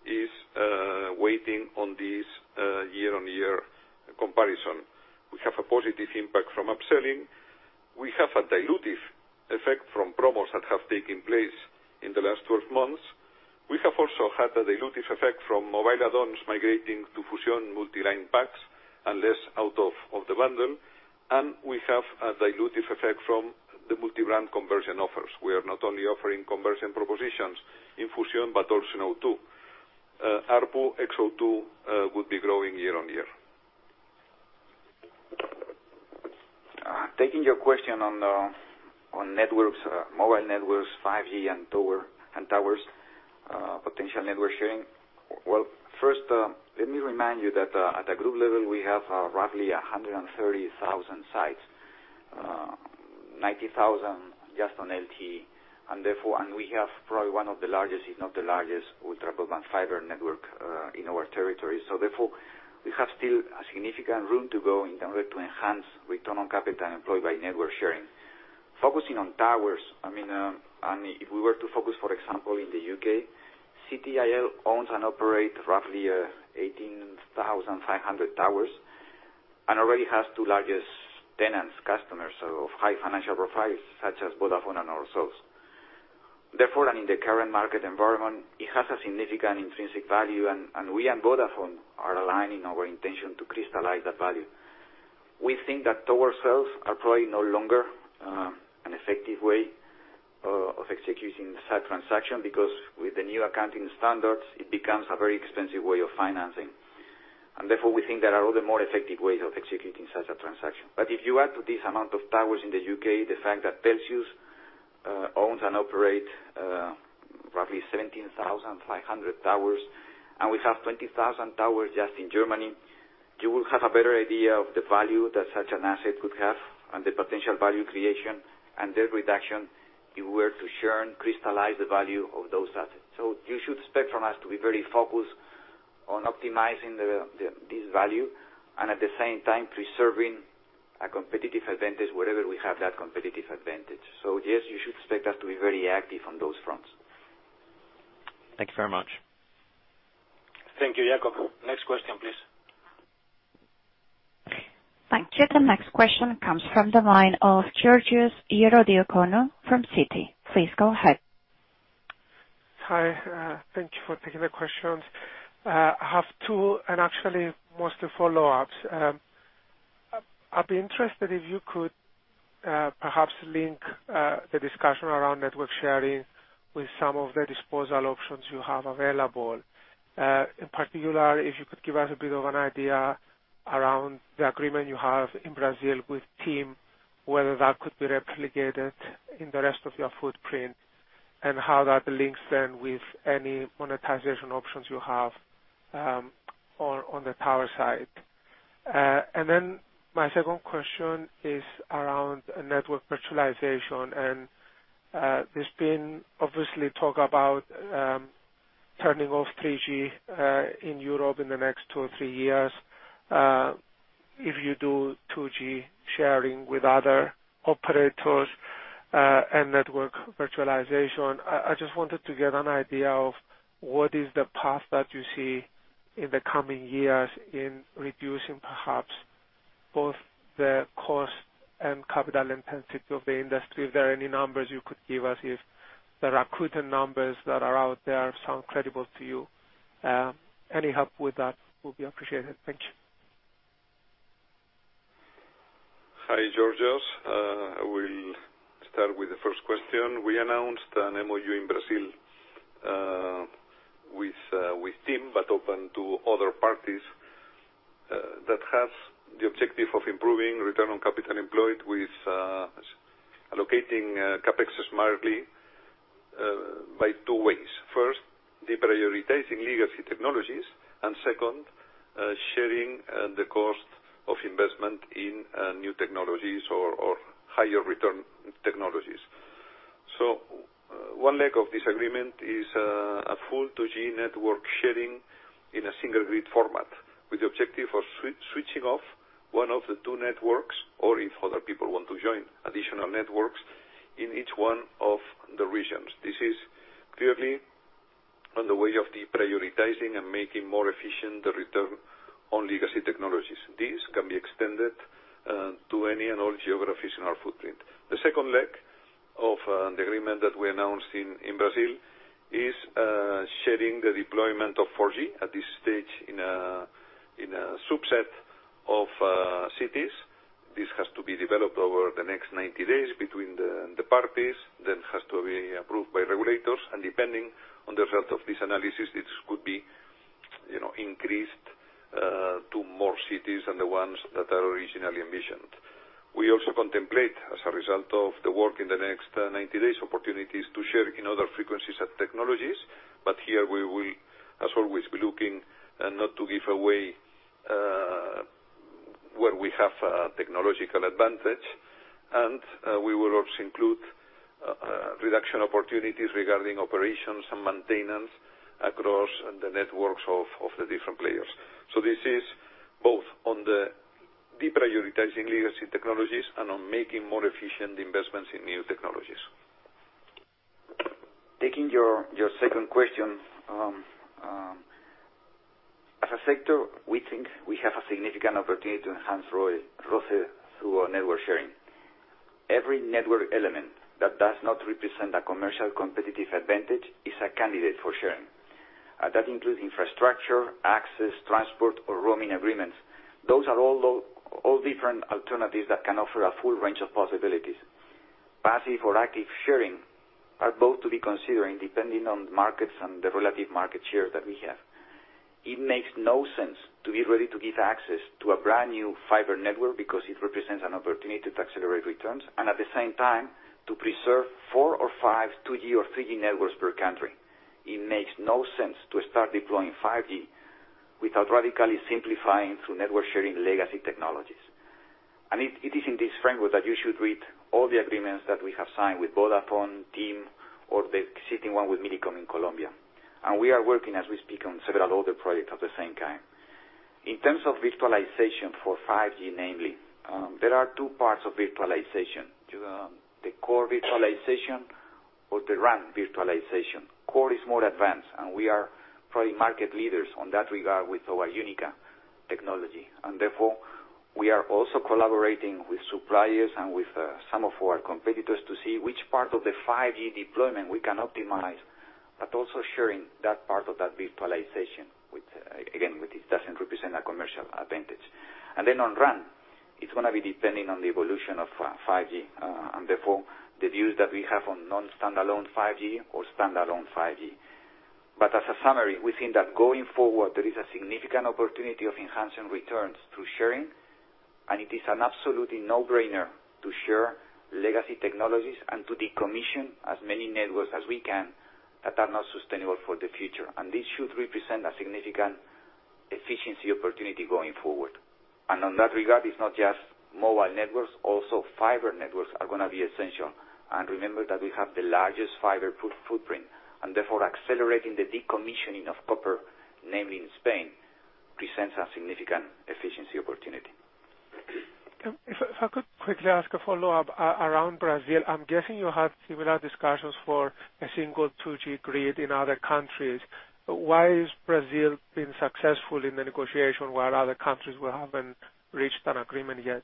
is waiting on this year-on-year comparison. A positive impact from upselling. We have a dilutive effect from promos that have taken place in the last 12 months. We have also had a dilutive effect from mobile add-ons migrating to Fusión multi-line packs and less out of the bundle. We have a dilutive effect from the multi-brand conversion offers. We are not only offering conversion propositions in Fusión, but also in O2. ARPU ex O2 would be growing year-on-year. Taking your question on networks, mobile networks, 5G, and towers, potential network sharing. Well, first, let me remind you that at the group level, we have roughly 130,000 sites, 90,000 just on LTE, and we have probably one of the largest, if not the largest, ultra broadband fiber network in our territory. Therefore, we have still a significant room to go in order to enhance Return on Capital Employed by network sharing. Focusing on towers, if we were to focus, for example, in the U.K., CTIL owns and operate roughly 18,500 towers and already has two largest tenants, customers of high financial profiles such as Vodafone and ourselves. Therefore, and in the current market environment, it has a significant intrinsic value, and we and Vodafone are aligned in our intention to crystallize that value. We think that tower cells are probably no longer an effective way of executing such transaction, because with the new accounting standards, it becomes a very expensive way of financing. Therefore, we think there are other more effective ways of executing such a transaction. If you add to this amount of towers in the U.K., the fact that Telxius owns and operate roughly 17,500 towers, and we have 20,000 towers just in Germany, you will have a better idea of the value that such an asset could have and the potential value creation and debt reduction if we were to share and crystallize the value of those assets. You should expect from us to be very focused on optimizing this value and at the same time preserving a competitive advantage wherever we have that competitive advantage. Yes, you should expect us to be very active on those fronts. Thank you very much. Thank you, Jakob. Next question, please. Thank you. The next question comes from the line of Georgios Ierodiaconou from Citi. Please go ahead. Hi. Thank you for taking the questions. I have two, and actually mostly follow-ups. I'd be interested if you could perhaps link the discussion around network sharing with some of the disposal options you have available. In particular, if you could give us a bit of an idea around the agreement you have in Brazil with TIM, whether that could be replicated in the rest of your footprint, and how that links then with any monetization options you have on the tower side. Then my second question is around network virtualization. There's been obviously talk about turning off 3G in Europe in the next two or three years. If you do 2G sharing with other operators, and network virtualization, I just wanted to get an idea of what is the path that you see in the coming years in reducing, perhaps both the cost and capital intensity of the industry. If there are any numbers you could give us, if there are quoted numbers that are out there sound credible to you. Any help with that will be appreciated. Thank you. Hi, Georgios. I will start with the first question. We announced an MOU in Brazil, with TIM, open to other parties, that has the objective of improving return on capital employed with allocating CapEx smartly, by two ways. First, deprioritizing legacy technologies, and second, sharing the cost of investment in new technologies or higher return technologies. One leg of this agreement is a full 2G network sharing in a single grid format with the objective of switching off one of the two networks or if other people want to join additional networks in each one of the regions. This is clearly on the way of deprioritizing and making more efficient the return on legacy technologies. This can be extended to any and all geographies in our footprint. The second leg of the agreement that we announced in Brazil is sharing the deployment of 4G at this stage in a subset of cities. This has to be developed over the next 90 days between the parties, then has to be approved by regulators. Depending on the result of this analysis, this could be increased to more cities than the ones that are originally envisioned. We also contemplate, as a result of the work in the next 90 days, opportunities to share in other frequencies and technologies. Here we will, as always, be looking not to give away where we have a technological advantage. We will also include reduction opportunities regarding operations and maintenance across the networks of the different players. This is both on the deprioritizing legacy technologies and on making more efficient investments in new technologies. Taking your second question, as a sector, we think we have a significant opportunity to enhance ROCE through our network sharing. Every network element that does not represent a commercial competitive advantage is a candidate for sharing. That includes infrastructure, access, transport, or roaming agreements. Those are all different alternatives that can offer a full range of possibilities. Passive or active sharing are both to be considered depending on the markets and the relative market share that we have. It makes no sense to be ready to give access to a brand new fiber network because it represents an opportunity to accelerate returns, and at the same time, to preserve four or five 2G or 3G networks per country. It makes no sense to start deploying 5G without radically simplifying through network sharing legacy technologies. It is in this framework that you should read all the agreements that we have signed with Vodafone, TIM, or the existing one with Millicom in Colombia. We are working as we speak on several other projects of the same kind. In terms of virtualization for 5G, namely, there are two parts of virtualization. The core virtualization or the RAN virtualization. Core is more advanced, and we are probably market leaders on that regard with our UNICA technology. Therefore, we are also collaborating with suppliers and with some of our competitors to see which part of the 5G deployment we can optimize, but also sharing that part of that virtualization, again, which it doesn't represent a commercial advantage. On RAN, it's going to be depending on the evolution of 5G, and therefore, the views that we have on non-standalone 5G or standalone 5G. As a summary, we think that going forward, there is a significant opportunity of enhancing returns through sharing, and it is an absolutely no-brainer to share legacy technologies and to decommission as many networks as we can that are not sustainable for the future. This should represent a significant efficiency opportunity going forward. On that regard, it's not just mobile networks, also fiber networks are going to be essential. Remember that we have the largest fiber footprint, and therefore accelerating the decommissioning of copper, namely in Spain, presents a significant efficiency opportunity. If I could quickly ask a follow-up around Brazil. I'm guessing you had similar discussions for a single 2G grid in other countries. Why has Brazil been successful in the negotiation while other countries haven't reached an agreement yet?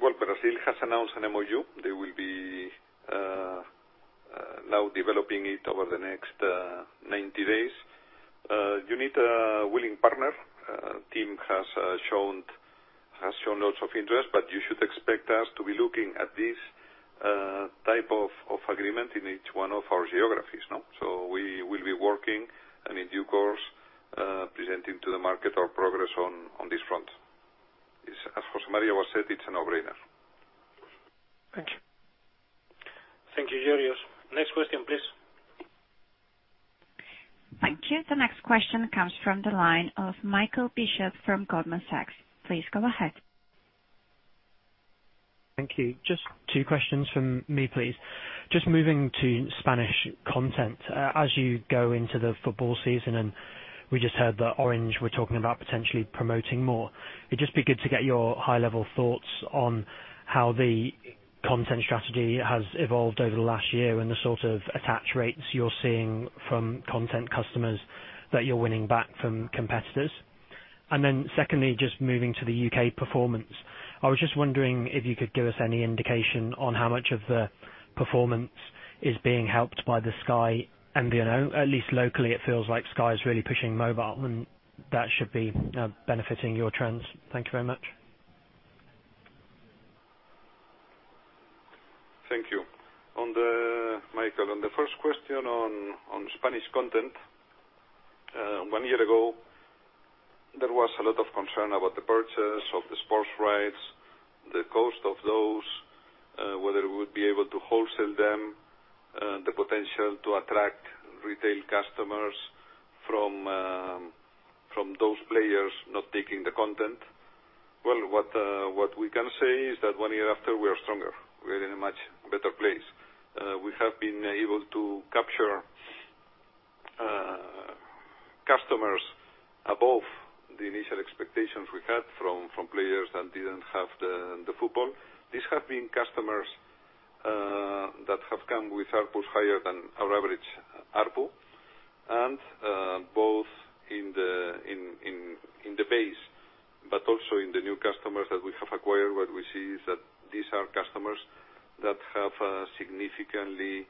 Well, Brazil has announced an MOU. They will be now developing it over the next 90 days. You need a willing partner. TIM has shown lots of interest, but you should expect us to be looking at this type of agreement in each one of our geographies. We will be working, and in due course, presenting to the market our progress on this front. As José María said, it's a no-brainer. Thank you. Thank you, Georgios. Next question, please. Thank you. The next question comes from the line of Michael Bishop from Goldman Sachs. Please go ahead. Thank you. Just two questions from me, please. Just moving to Spanish content, as you go into the football season, and we just heard that Orange were talking about potentially promoting more. It'd just be good to get your high-level thoughts on how the content strategy has evolved over the last year and the sort of attach rates you're seeing from content customers that you're winning back from competitors. Secondly, just moving to the U.K. performance. I was just wondering if you could give us any indication on how much of the performance is being helped by the Sky MVNO. At least locally, it feels like Sky is really pushing mobile, and that should be benefiting your trends. Thank you very much. Thank you. Michael, on the first question on Spanish content, one year ago, there was a lot of concern about the purchase of the sports rights, the cost of those, whether we would be able to wholesale them, the potential to attract retail customers from those players not taking the content. Well, what we can say is that one year after, we are stronger. We are in a much better place. We have been able to capture customers above the initial expectations we had from players that didn't have the football. These have been customers that have come with ARPUs higher than our average ARPU, and both in the base, but also in the new customers that we have acquired. What we see is that these are customers that have a significantly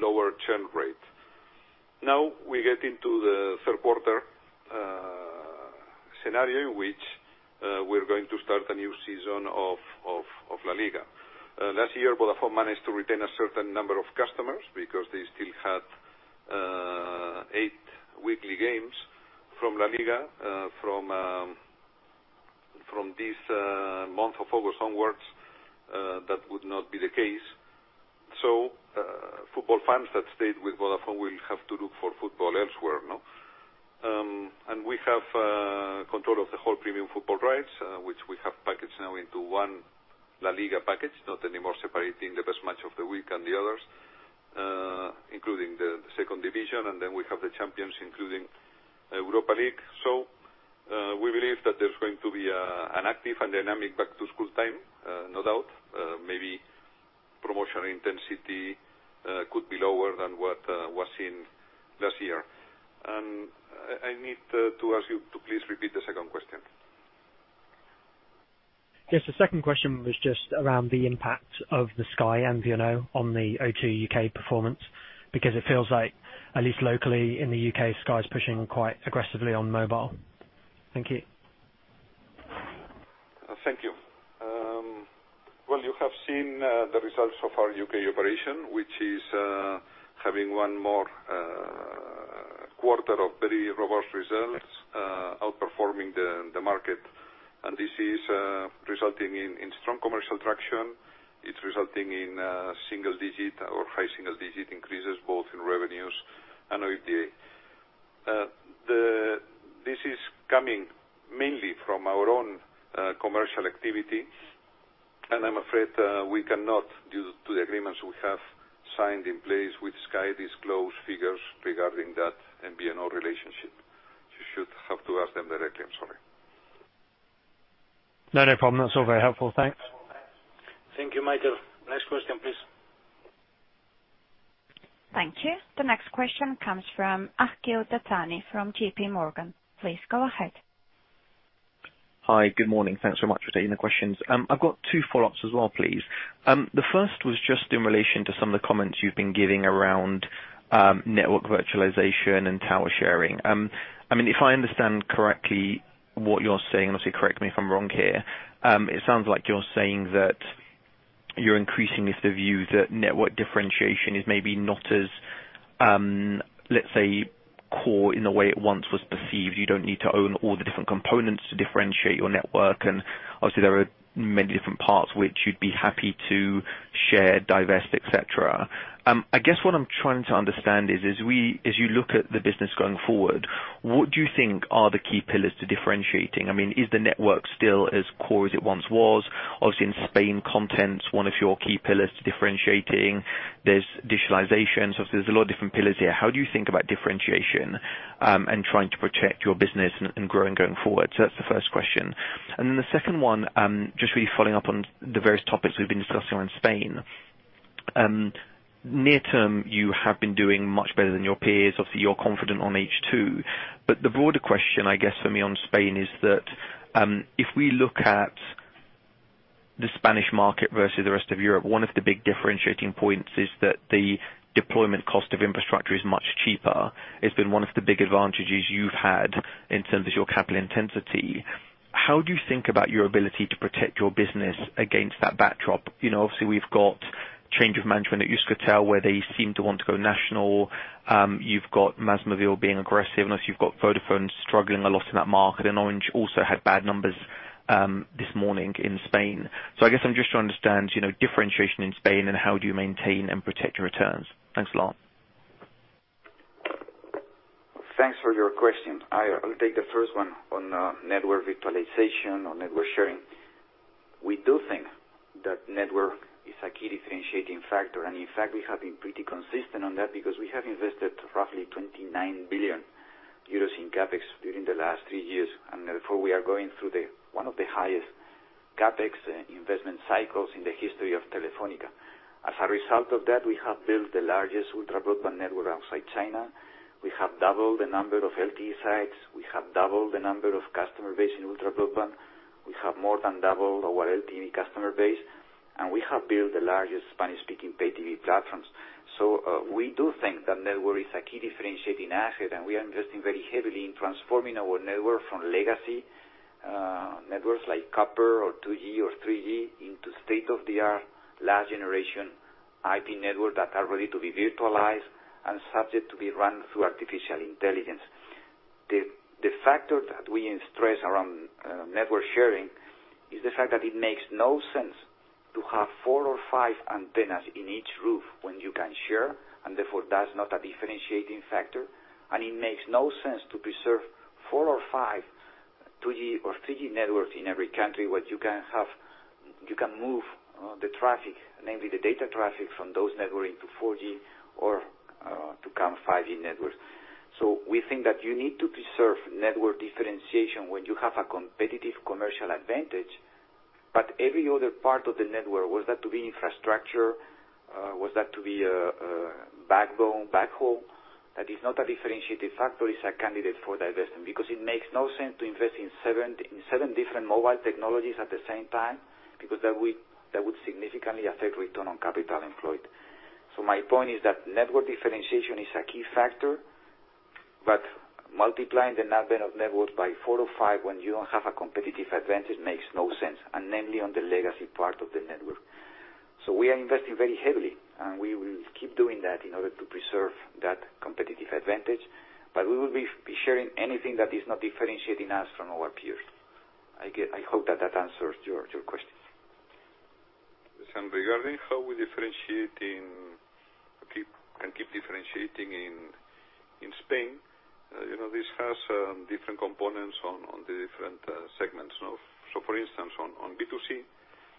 lower churn rate. Now we get into the third quarter scenario in which we're going to start a new season of LaLiga. Last year, Vodafone managed to retain a certain number of customers because they still had eight weekly games from LaLiga. From this month of August onwards, that would not be the case. Football fans that stayed with Vodafone will have to look for football elsewhere. We have control of the whole premium football rights, which we have packaged now into one LaLiga package, not anymore separating the best match of the week and the others, including the second division, then we have the champions, including Europa League. We believe that there's going to be an active and dynamic back-to-school time, no doubt. Maybe promotional intensity could be lower than what was seen last year. I need to ask you to please repeat the second question. Yes. The second question was just around the impact of the Sky MVNO on the O2 U.K. performance, because it feels like, at least locally in the U.K., Sky's pushing quite aggressively on mobile. Thank you. Thank you. Well, you have seen the results of our U.K. operation, which is having one more quarter of very robust results, outperforming the market. This is resulting in strong commercial traction. It's resulting in single digit or high single digit increases both in revenues and OIBDA. This is coming mainly from our own commercial activity, and I'm afraid we cannot, due to the agreements we have signed in place with Sky, disclose figures regarding that MVNO relationship. You should have to ask them directly. I'm sorry. No problem. That's all very helpful. Thanks. Thank you, Michael. Next question, please. Thank you. The next question comes from Akhil Dattani from JPMorgan. Please go ahead. Hi. Good morning. Thanks so much for taking the questions. I've got two follow-ups as well, please. The first was just in relation to some of the comments you've been giving around network virtualization and tower sharing. If I understand correctly what you're saying, and obviously correct me if I'm wrong here, it sounds like you're saying that you're increasingly of the view that network differentiation is maybe not as, let's say, core in the way it once was perceived. You don't need to own all the different components to differentiate your network, and obviously there are many different parts which you'd be happy to share, divest, et cetera. I guess what I'm trying to understand is, as you look at the business going forward, what do you think are the key pillars to differentiating? Is the network still as core as it once was? In Spain, content's one of your key pillars to differentiating. There's digitalization, so obviously there's a lot of different pillars here. How do you think about differentiation, and trying to protect your business and growing going forward? That's the first question. The second one, just really following up on the various topics we've been discussing around Spain. Near term, you have been doing much better than your peers. You're confident on H2. The broader question, I guess, for me on Spain is that, if we look at the Spanish market versus the rest of Europe, one of the big differentiating points is that the deployment cost of infrastructure is much cheaper. It's been one of the big advantages you've had in terms of your capital intensity. How do you think about your ability to protect your business against that backdrop? We've got change of management at Euskaltel, where they seem to want to go national. You've got MásMóvil being aggressive, and obviously you've got Vodafone struggling a lot in that market, and Orange also had bad numbers this morning in Spain. I guess I'm just trying to understand differentiation in Spain, and how do you maintain and protect your returns? Thanks a lot. Thanks for your question. I will take the first one on network virtualization or network sharing. We do think that network is a key differentiating factor, and in fact, we have been pretty consistent on that because we have invested roughly 29 billion euros in CapEx during the last three years. Therefore, we are going through one of the highest CapEx investment cycles in the history of Telefónica. As a result of that, we have built the largest ultra broadband network outside China. We have doubled the number of LTE sites, we have doubled the number of customer base in ultra broadband, we have more than doubled our LTE customer base, and we have built the largest Spanish-speaking pay TV platforms. We do think that network is a key differentiating asset, and we are investing very heavily in transforming our network from legacy networks like copper or 2G or 3G into state-of-the-art, last generation IT network that are ready to be virtualized and subject to be run through artificial intelligence. The factor that we stress around network sharing is the fact that it makes no sense to have four or five antennas in each roof when you can share, and therefore that's not a differentiating factor. It makes no sense to preserve four or five 2G or 3G networks in every country when you can move the traffic, namely the data traffic, from those network into 4G or to come 5G networks. We think that you need to preserve network differentiation when you have a competitive commercial advantage. Every other part of the network, was that to be infrastructure, was that to be a backhaul, that is not a differentiating factor, it's a candidate for divestment. It makes no sense to invest in seven different mobile technologies at the same time, because that would significantly affect return on capital employed. My point is that network differentiation is a key factor, but multiplying the number of networks by four or five when you don't have a competitive advantage makes no sense, and namely on the legacy part of the network. We are investing very heavily, and we will keep doing that in order to preserve that competitive advantage. We will be sharing anything that is not differentiating us from our peers. I hope that that answers your question. Regarding how we differentiate and keep differentiating in Spain, this has different components on the different segments. For instance, on B2C,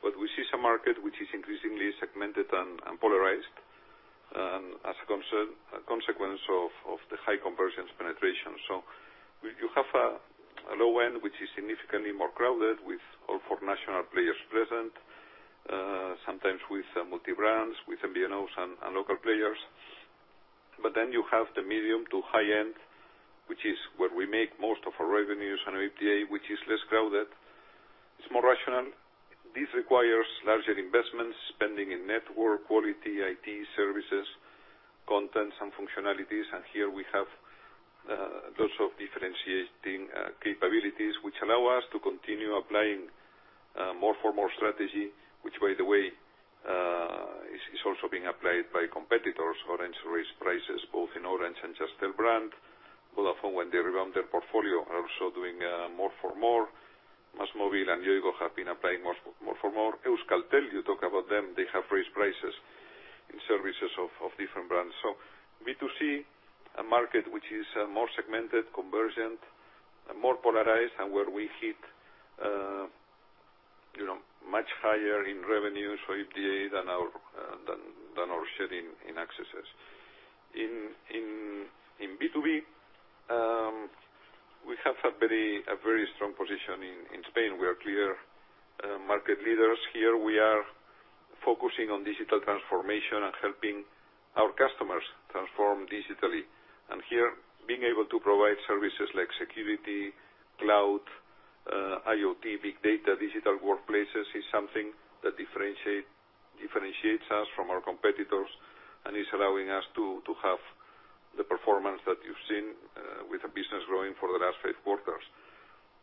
what we see is a market which is increasingly segmented and polarized. As a consequence of the high conversions penetration. You have a low end, which is significantly more crowded with all four national players present, sometimes with multi-brands, with MVNOs and local players. Then you have the medium to high end, which is where we make most of our revenues and our EBITDA, which is less crowded. It's more rational. This requires larger investment spending in network, quality, IT, services, content, some functionalities. Here we have lots of differentiating capabilities which allow us to continue applying more for more strategy, which, by the way, is also being applied by competitors. Orange raised prices both in Orange and Jazztel brand. Vodafone, when they revamped their portfolio, are also doing more for more. MásMóvil and Yoigo have been applying more for more. Euskaltel, you talk about them, they have raised prices in services of different brands. B2C, a market which is more segmented, convergent, more polarized, and where we hit much higher in revenues for EBITDA than our share in accesses. In B2B, we have a very strong position in Spain. We are clear market leaders here. We are focusing on digital transformation and helping our customers transform digitally. Here, being able to provide services like security, cloud, IoT, big data, digital workplaces is something that differentiates us from our competitors and is allowing us to have the performance that you've seen with the business growing for the last five quarters.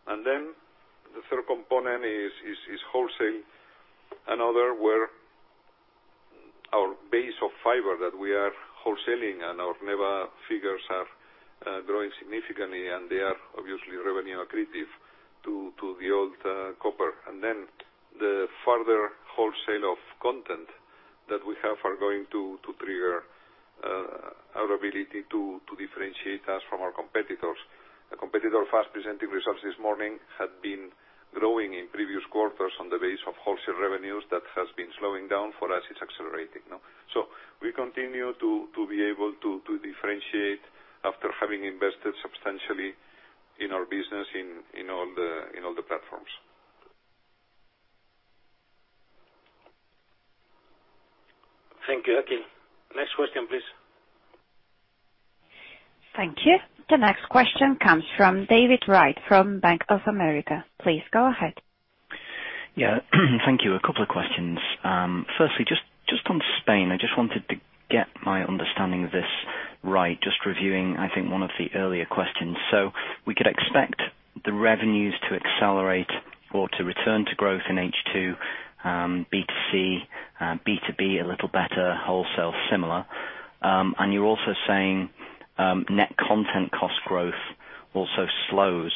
The third component is wholesale and other, where our base of fiber that we are wholesaling and our NEBA figures are growing significantly, and they are obviously revenue accretive to the old copper. The further wholesale of content that we have are going to trigger our ability to differentiate us from our competitors. A competitor who has presented results this morning had been growing in previous quarters on the base of wholesale revenues that has been slowing down. For us, it's accelerating. We continue to be able to differentiate after having invested substantially in our business in all the platforms. Thank you, Akhil. Next question, please. Thank you. The next question comes from David Wright from Bank of America. Please go ahead. Yeah. Thank you. A couple of questions. Firstly, just on Spain, I just wanted to get my understanding of this right, just reviewing, I think, one of the earlier questions. We could expect the revenues to accelerate or to return to growth in H2, B2C, B2B, a little better, wholesale similar. You're also saying net content cost growth also slows.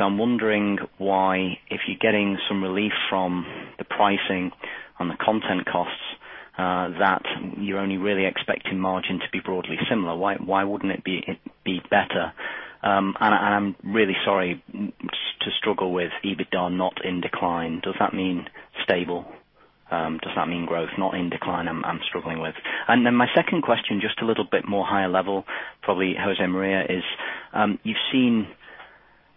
I'm wondering why, if you're getting some relief from the pricing on the content costs, that you're only really expecting margin to be broadly similar. Why wouldn't it be better? I'm really sorry to struggle with EBITDA not in decline. Does that mean stable? Does that mean growth? Not in decline, I'm struggling with. My second question, just a little bit more higher level, probably José María, is you've seen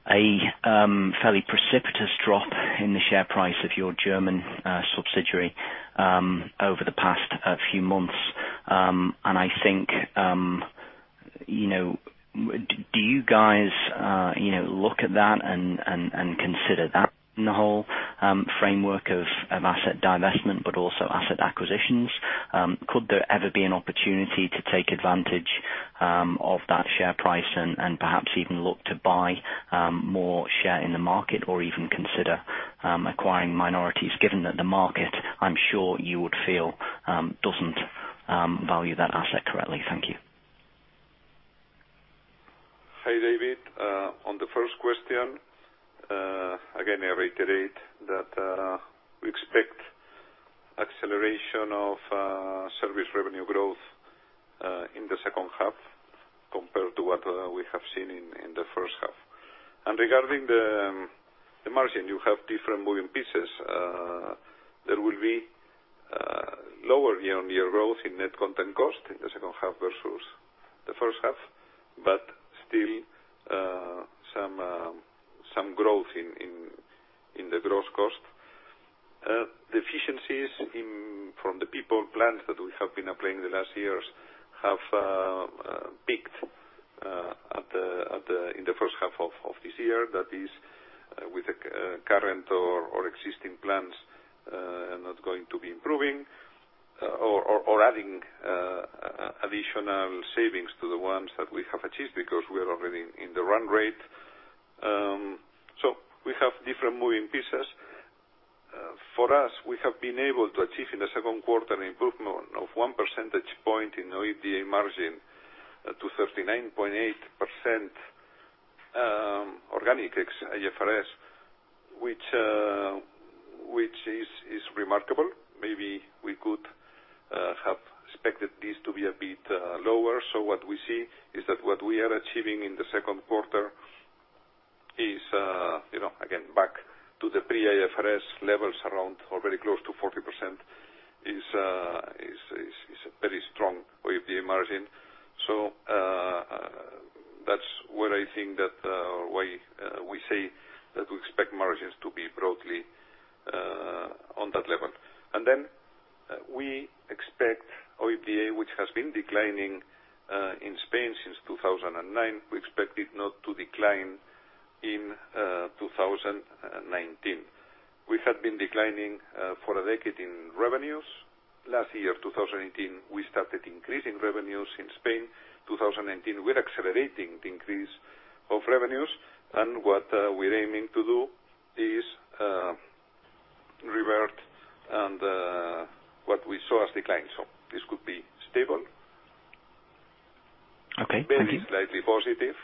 a fairly precipitous drop in the share price of your German subsidiary over the past few months. I think, do you guys look at that and consider that in the whole framework of asset divestment, but also asset acquisitions? Could there ever be an opportunity to take advantage of that share price and perhaps even look to buy more share in the market or even consider acquiring minorities, given that the market, I'm sure you would feel, doesn't value that asset correctly? Thank you. Hi, David. On the first question, again, I reiterate that we expect acceleration of service revenue growth in the second half compared to what we have seen in the first half. Regarding the margin, you have different moving pieces. There will be lower year-on-year growth in net content cost in the second half versus the first half, but still some growth in the gross cost. The efficiencies from the people plans that we have been applying the last years have peaked, in the first half of this year. That is with the current or existing plans are not going to be improving or adding additional savings to the ones that we have achieved because we are already in the run rate. We have different moving pieces. For us, we have been able to achieve in the second quarter an improvement of one percentage point in our EBITDA margin to 39.8%, organic IFRS, which is remarkable. Maybe we could have expected this to be a bit lower. What we see is that what we are achieving in the second quarter Is, again, back to the pre-IFRS levels around or very close to 40% is a very strong OIBDA margin. That's why we say that we expect margins to be broadly on that level. We expect OIBDA, which has been declining in Spain since 2009, we expect it not to decline in 2019. We had been declining for a decade in revenues. Last year, 2018, we started increasing revenues in Spain. 2019, we're accelerating the increase of revenues, what we're aiming to do is revert on what we saw as decline. This could be stable. Okay. Very slightly positive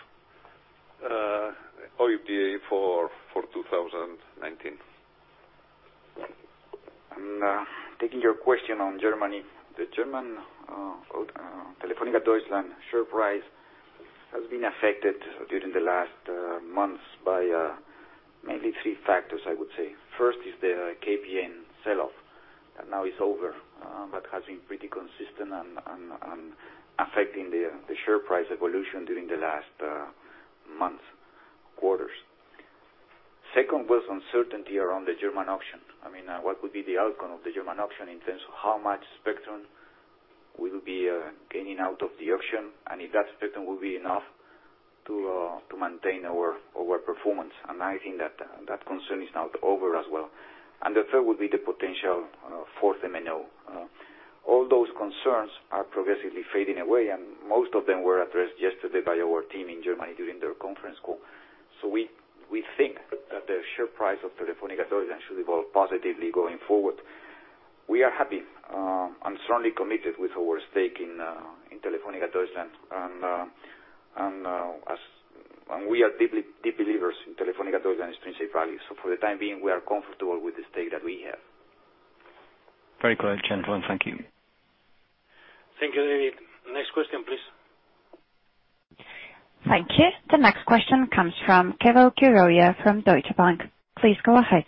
OIBDA for 2019. Taking your question on Germany, the German Telefónica Deutschland share price has been affected during the last months by mainly three factors, I would say. First is the KPN sell-off. Now it's over, but has been pretty consistent and affecting the share price evolution during the last months, quarters. Second was uncertainty around the German auction. I mean, what would be the outcome of the German auction in terms of how much spectrum we will be gaining out of the auction, and if that spectrum will be enough to maintain our work performance. I think that concern is now over as well. The third will be the potential fourth MNO. All those concerns are progressively fading away, and most of them were addressed yesterday by our team in Germany during their conference call. We think that the share price of Telefónica Deutschland should evolve positively going forward. We are happy, and strongly committed with our stake in Telefónica Deutschland. We are deep believers in Telefónica Deutschland's intrinsic value. For the time being, we are comfortable with the stake that we have. Very clear, gentlemen. Thank you. Thank you, David. Next question, please. Thank you. The next question comes from Keval Khiroya from Deutsche Bank. Please go ahead.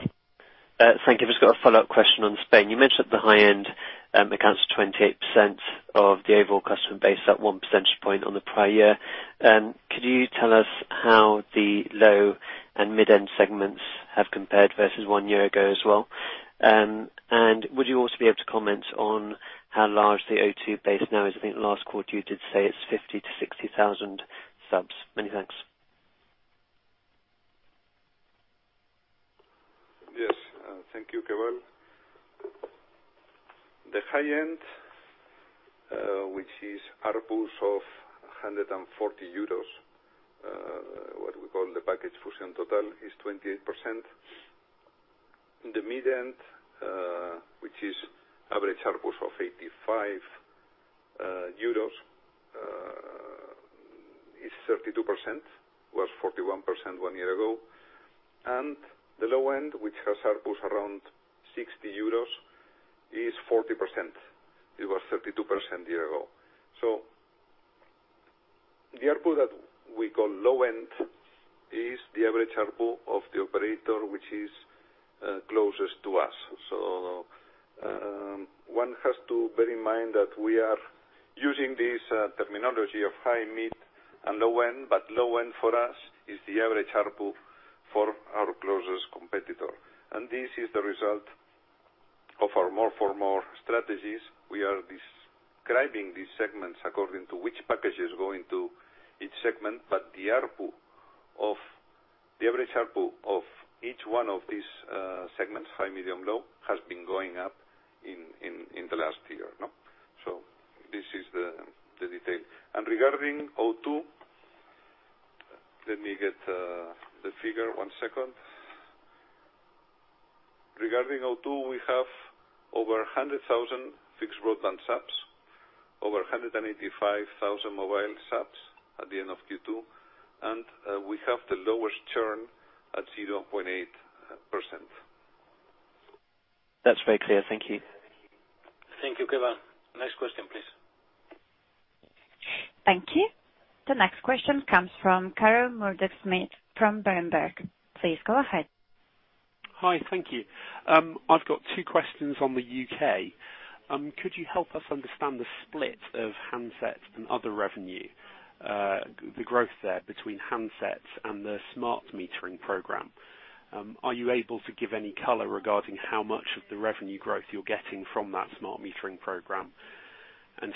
Thank you. Just got a follow-up question on Spain. You mentioned at the high end, accounts for 28% of the overall customer base, that one percentage point on the prior year. Could you tell us how the low and mid-end segments have compared versus one year ago as well? Would you also be able to comment on how large the O2 base now is? I think last quarter you did say it's 50 to 60,000 subs. Many thanks. Yes. Thank you, Keval. The high end, which is ARPU of 140 euros, what we call the package Fusión Total, is 28%. The mid-end, which is average ARPU of EUR 85, is 32%, was 41% one year ago. The low end, which has ARPU around 60 euros, is 40%. It was 32% a year ago. The ARPU that we call low end is the average ARPU of the operator which is closest to us. One has to bear in mind that we are using this terminology of high, mid, and low end, but low end for us is the average ARPU for our closest competitor. This is the result of our More for More strategies. We are describing these segments according to which package is going to each segment. The average ARPU of each one of these segments, high, medium, low, has been going up in the last year. This is the detail. Regarding O2, let me get the figure, one second. Regarding O2, we have over 100,000 fixed broadband subs, over 185,000 mobile subs at the end of Q2. We have the lowest churn at 0.8%. That's very clear. Thank you. Thank you, Keval. Next question, please. Thank you. The next question comes from Carl Murdock-Smith from Berenberg. Please go ahead. Hi, thank you. I've got two questions on the U.K. Could you help us understand the split of handsets and other revenue, the growth there between handsets and the smart metering program? Are you able to give any color regarding how much of the revenue growth you're getting from that smart metering program?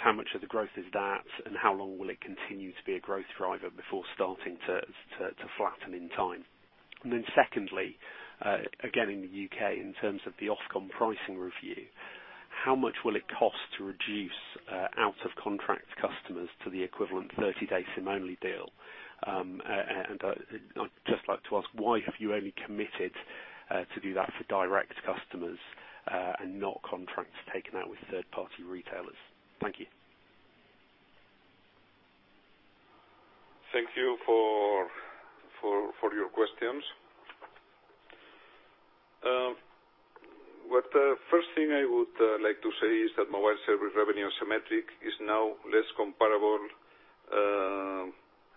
How much of the growth is that, and how long will it continue to be a growth driver before starting to flatten in time? Secondly, again, in the U.K., in terms of the Ofcom pricing review, how much will it cost to reduce out of contract customers to the equivalent 30-day SIM-only deal? I'd just like to ask why have you only committed to do that for direct customers, and not contracts taken out with third-party retailers? Thank you. Thank you for your questions. The first thing I would like to say is that mobile service revenue metric is now less comparable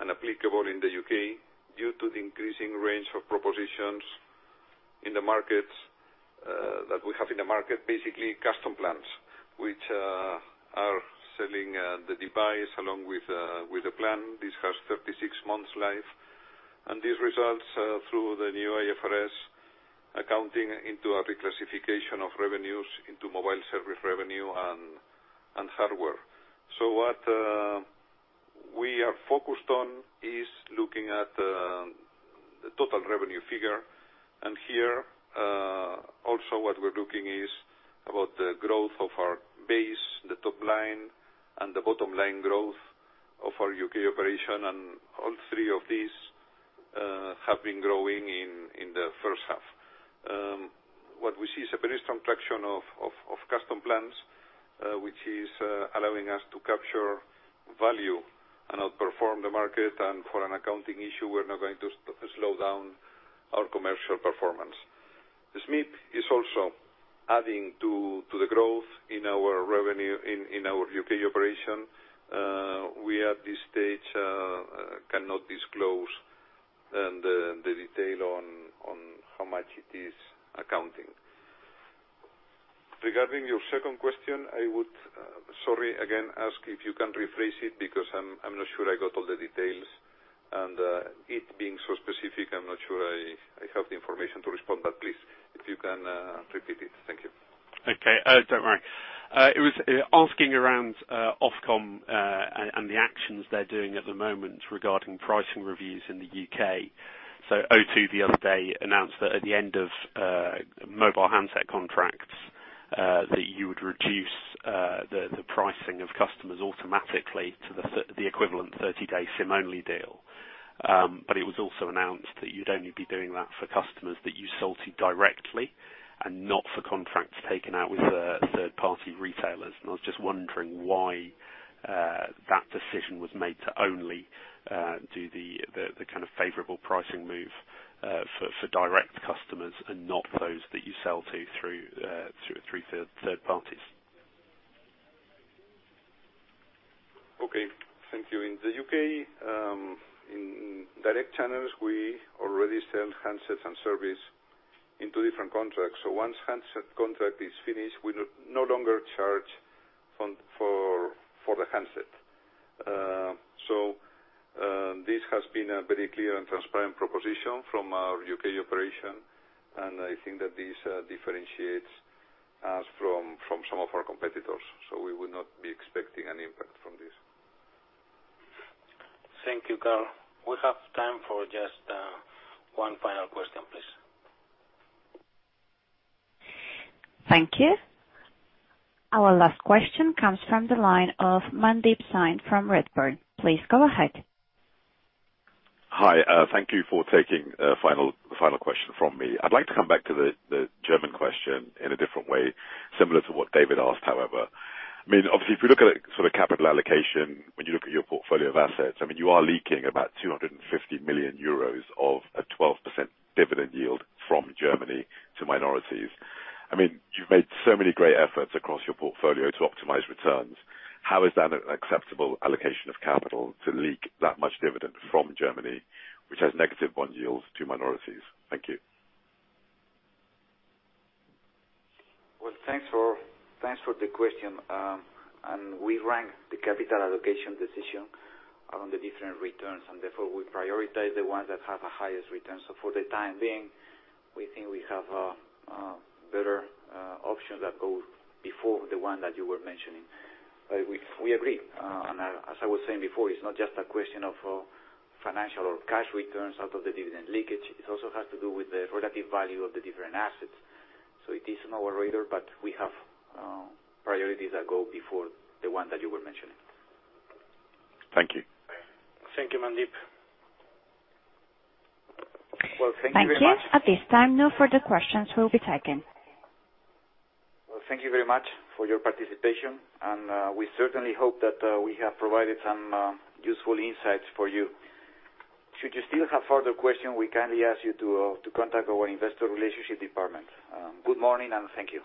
and applicable in the U.K. due to the increasing range of propositions that we have in the market. Custom plans, which are selling the device along with the plan. This has 36 months life. These results through the new IFRS accounting into a reclassification of revenues into mobile service revenue and hardware. What we are focused on is looking at the total revenue figure. Here, also what we're looking is about the growth of our base, the top line, and the bottom line growth of our U.K. operation. All three of these have been growing in the first half. What we see is a very strong traction of custom plans, which is allowing us to capture value and outperform the market. For an accounting issue, we're not going to slow down our commercial performance. SMETS is also adding to the growth in our revenue in our U.K. operation. We, at this stage, cannot disclose the detail on how much it is accounting. Regarding your second question, sorry again, ask if you can rephrase it because I'm not sure I got all the details. It being so specific, I'm not sure I have the information to respond. Please, if you can repeat it. Thank you. Okay. Don't worry. It was asking around Ofcom, and the actions they're doing at the moment regarding pricing reviews in the U.K. It was also announced that you'd only be doing that for customers that you sold to directly, and not for contracts taken out with third-party retailers. I was just wondering why that decision was made to only do the favorable pricing move for direct customers and not those that you sell to through third parties. Okay. Thank you. In the U.K., in direct channels, we already sell handsets and service in two different contracts. Once handset contract is finished, we no longer charge for the handset. This has been a very clear and transparent proposition from our U.K. operation, and I think that this differentiates us from some of our competitors. We would not be expecting any impact from this. Thank you, Carl. We have time for just one final question, please. Thank you. Our last question comes from the line of Mandeep Singh from Redburn. Please go ahead. Hi. Thank you for taking the final question from me. I'd like to come back to the German question in a different way, similar to what David asked, however. Obviously, if you look at capital allocation, when you look at your portfolio of assets, you are leaking about 250 million euros of a 12% dividend yield from Germany to minorities. You've made so many great efforts across your portfolio to optimize returns. How is that an acceptable allocation of capital to leak that much dividend from Germany, which has negative bond yields to minorities? Thank you. Well, thanks for the question. We rank the capital allocation decision on the different returns, and therefore, we prioritize the ones that have the highest returns. For the time being, we think we have a better option that goes before the one that you were mentioning. We agree. As I was saying before, it's not just a question of financial or cash returns out of the dividend leakage. It also has to do with the productive value of the different assets. It is on our radar, but we have priorities that go before the one that you were mentioning. Thank you. Thank you, Mandeep. Well, thank you very much. Thank you. At this time, no further questions will be taken. Well, thank you very much for your participation. We certainly hope that we have provided some useful insights for you. Should you still have further question, we kindly ask you to contact our investor relationship department. Good morning. Thank you.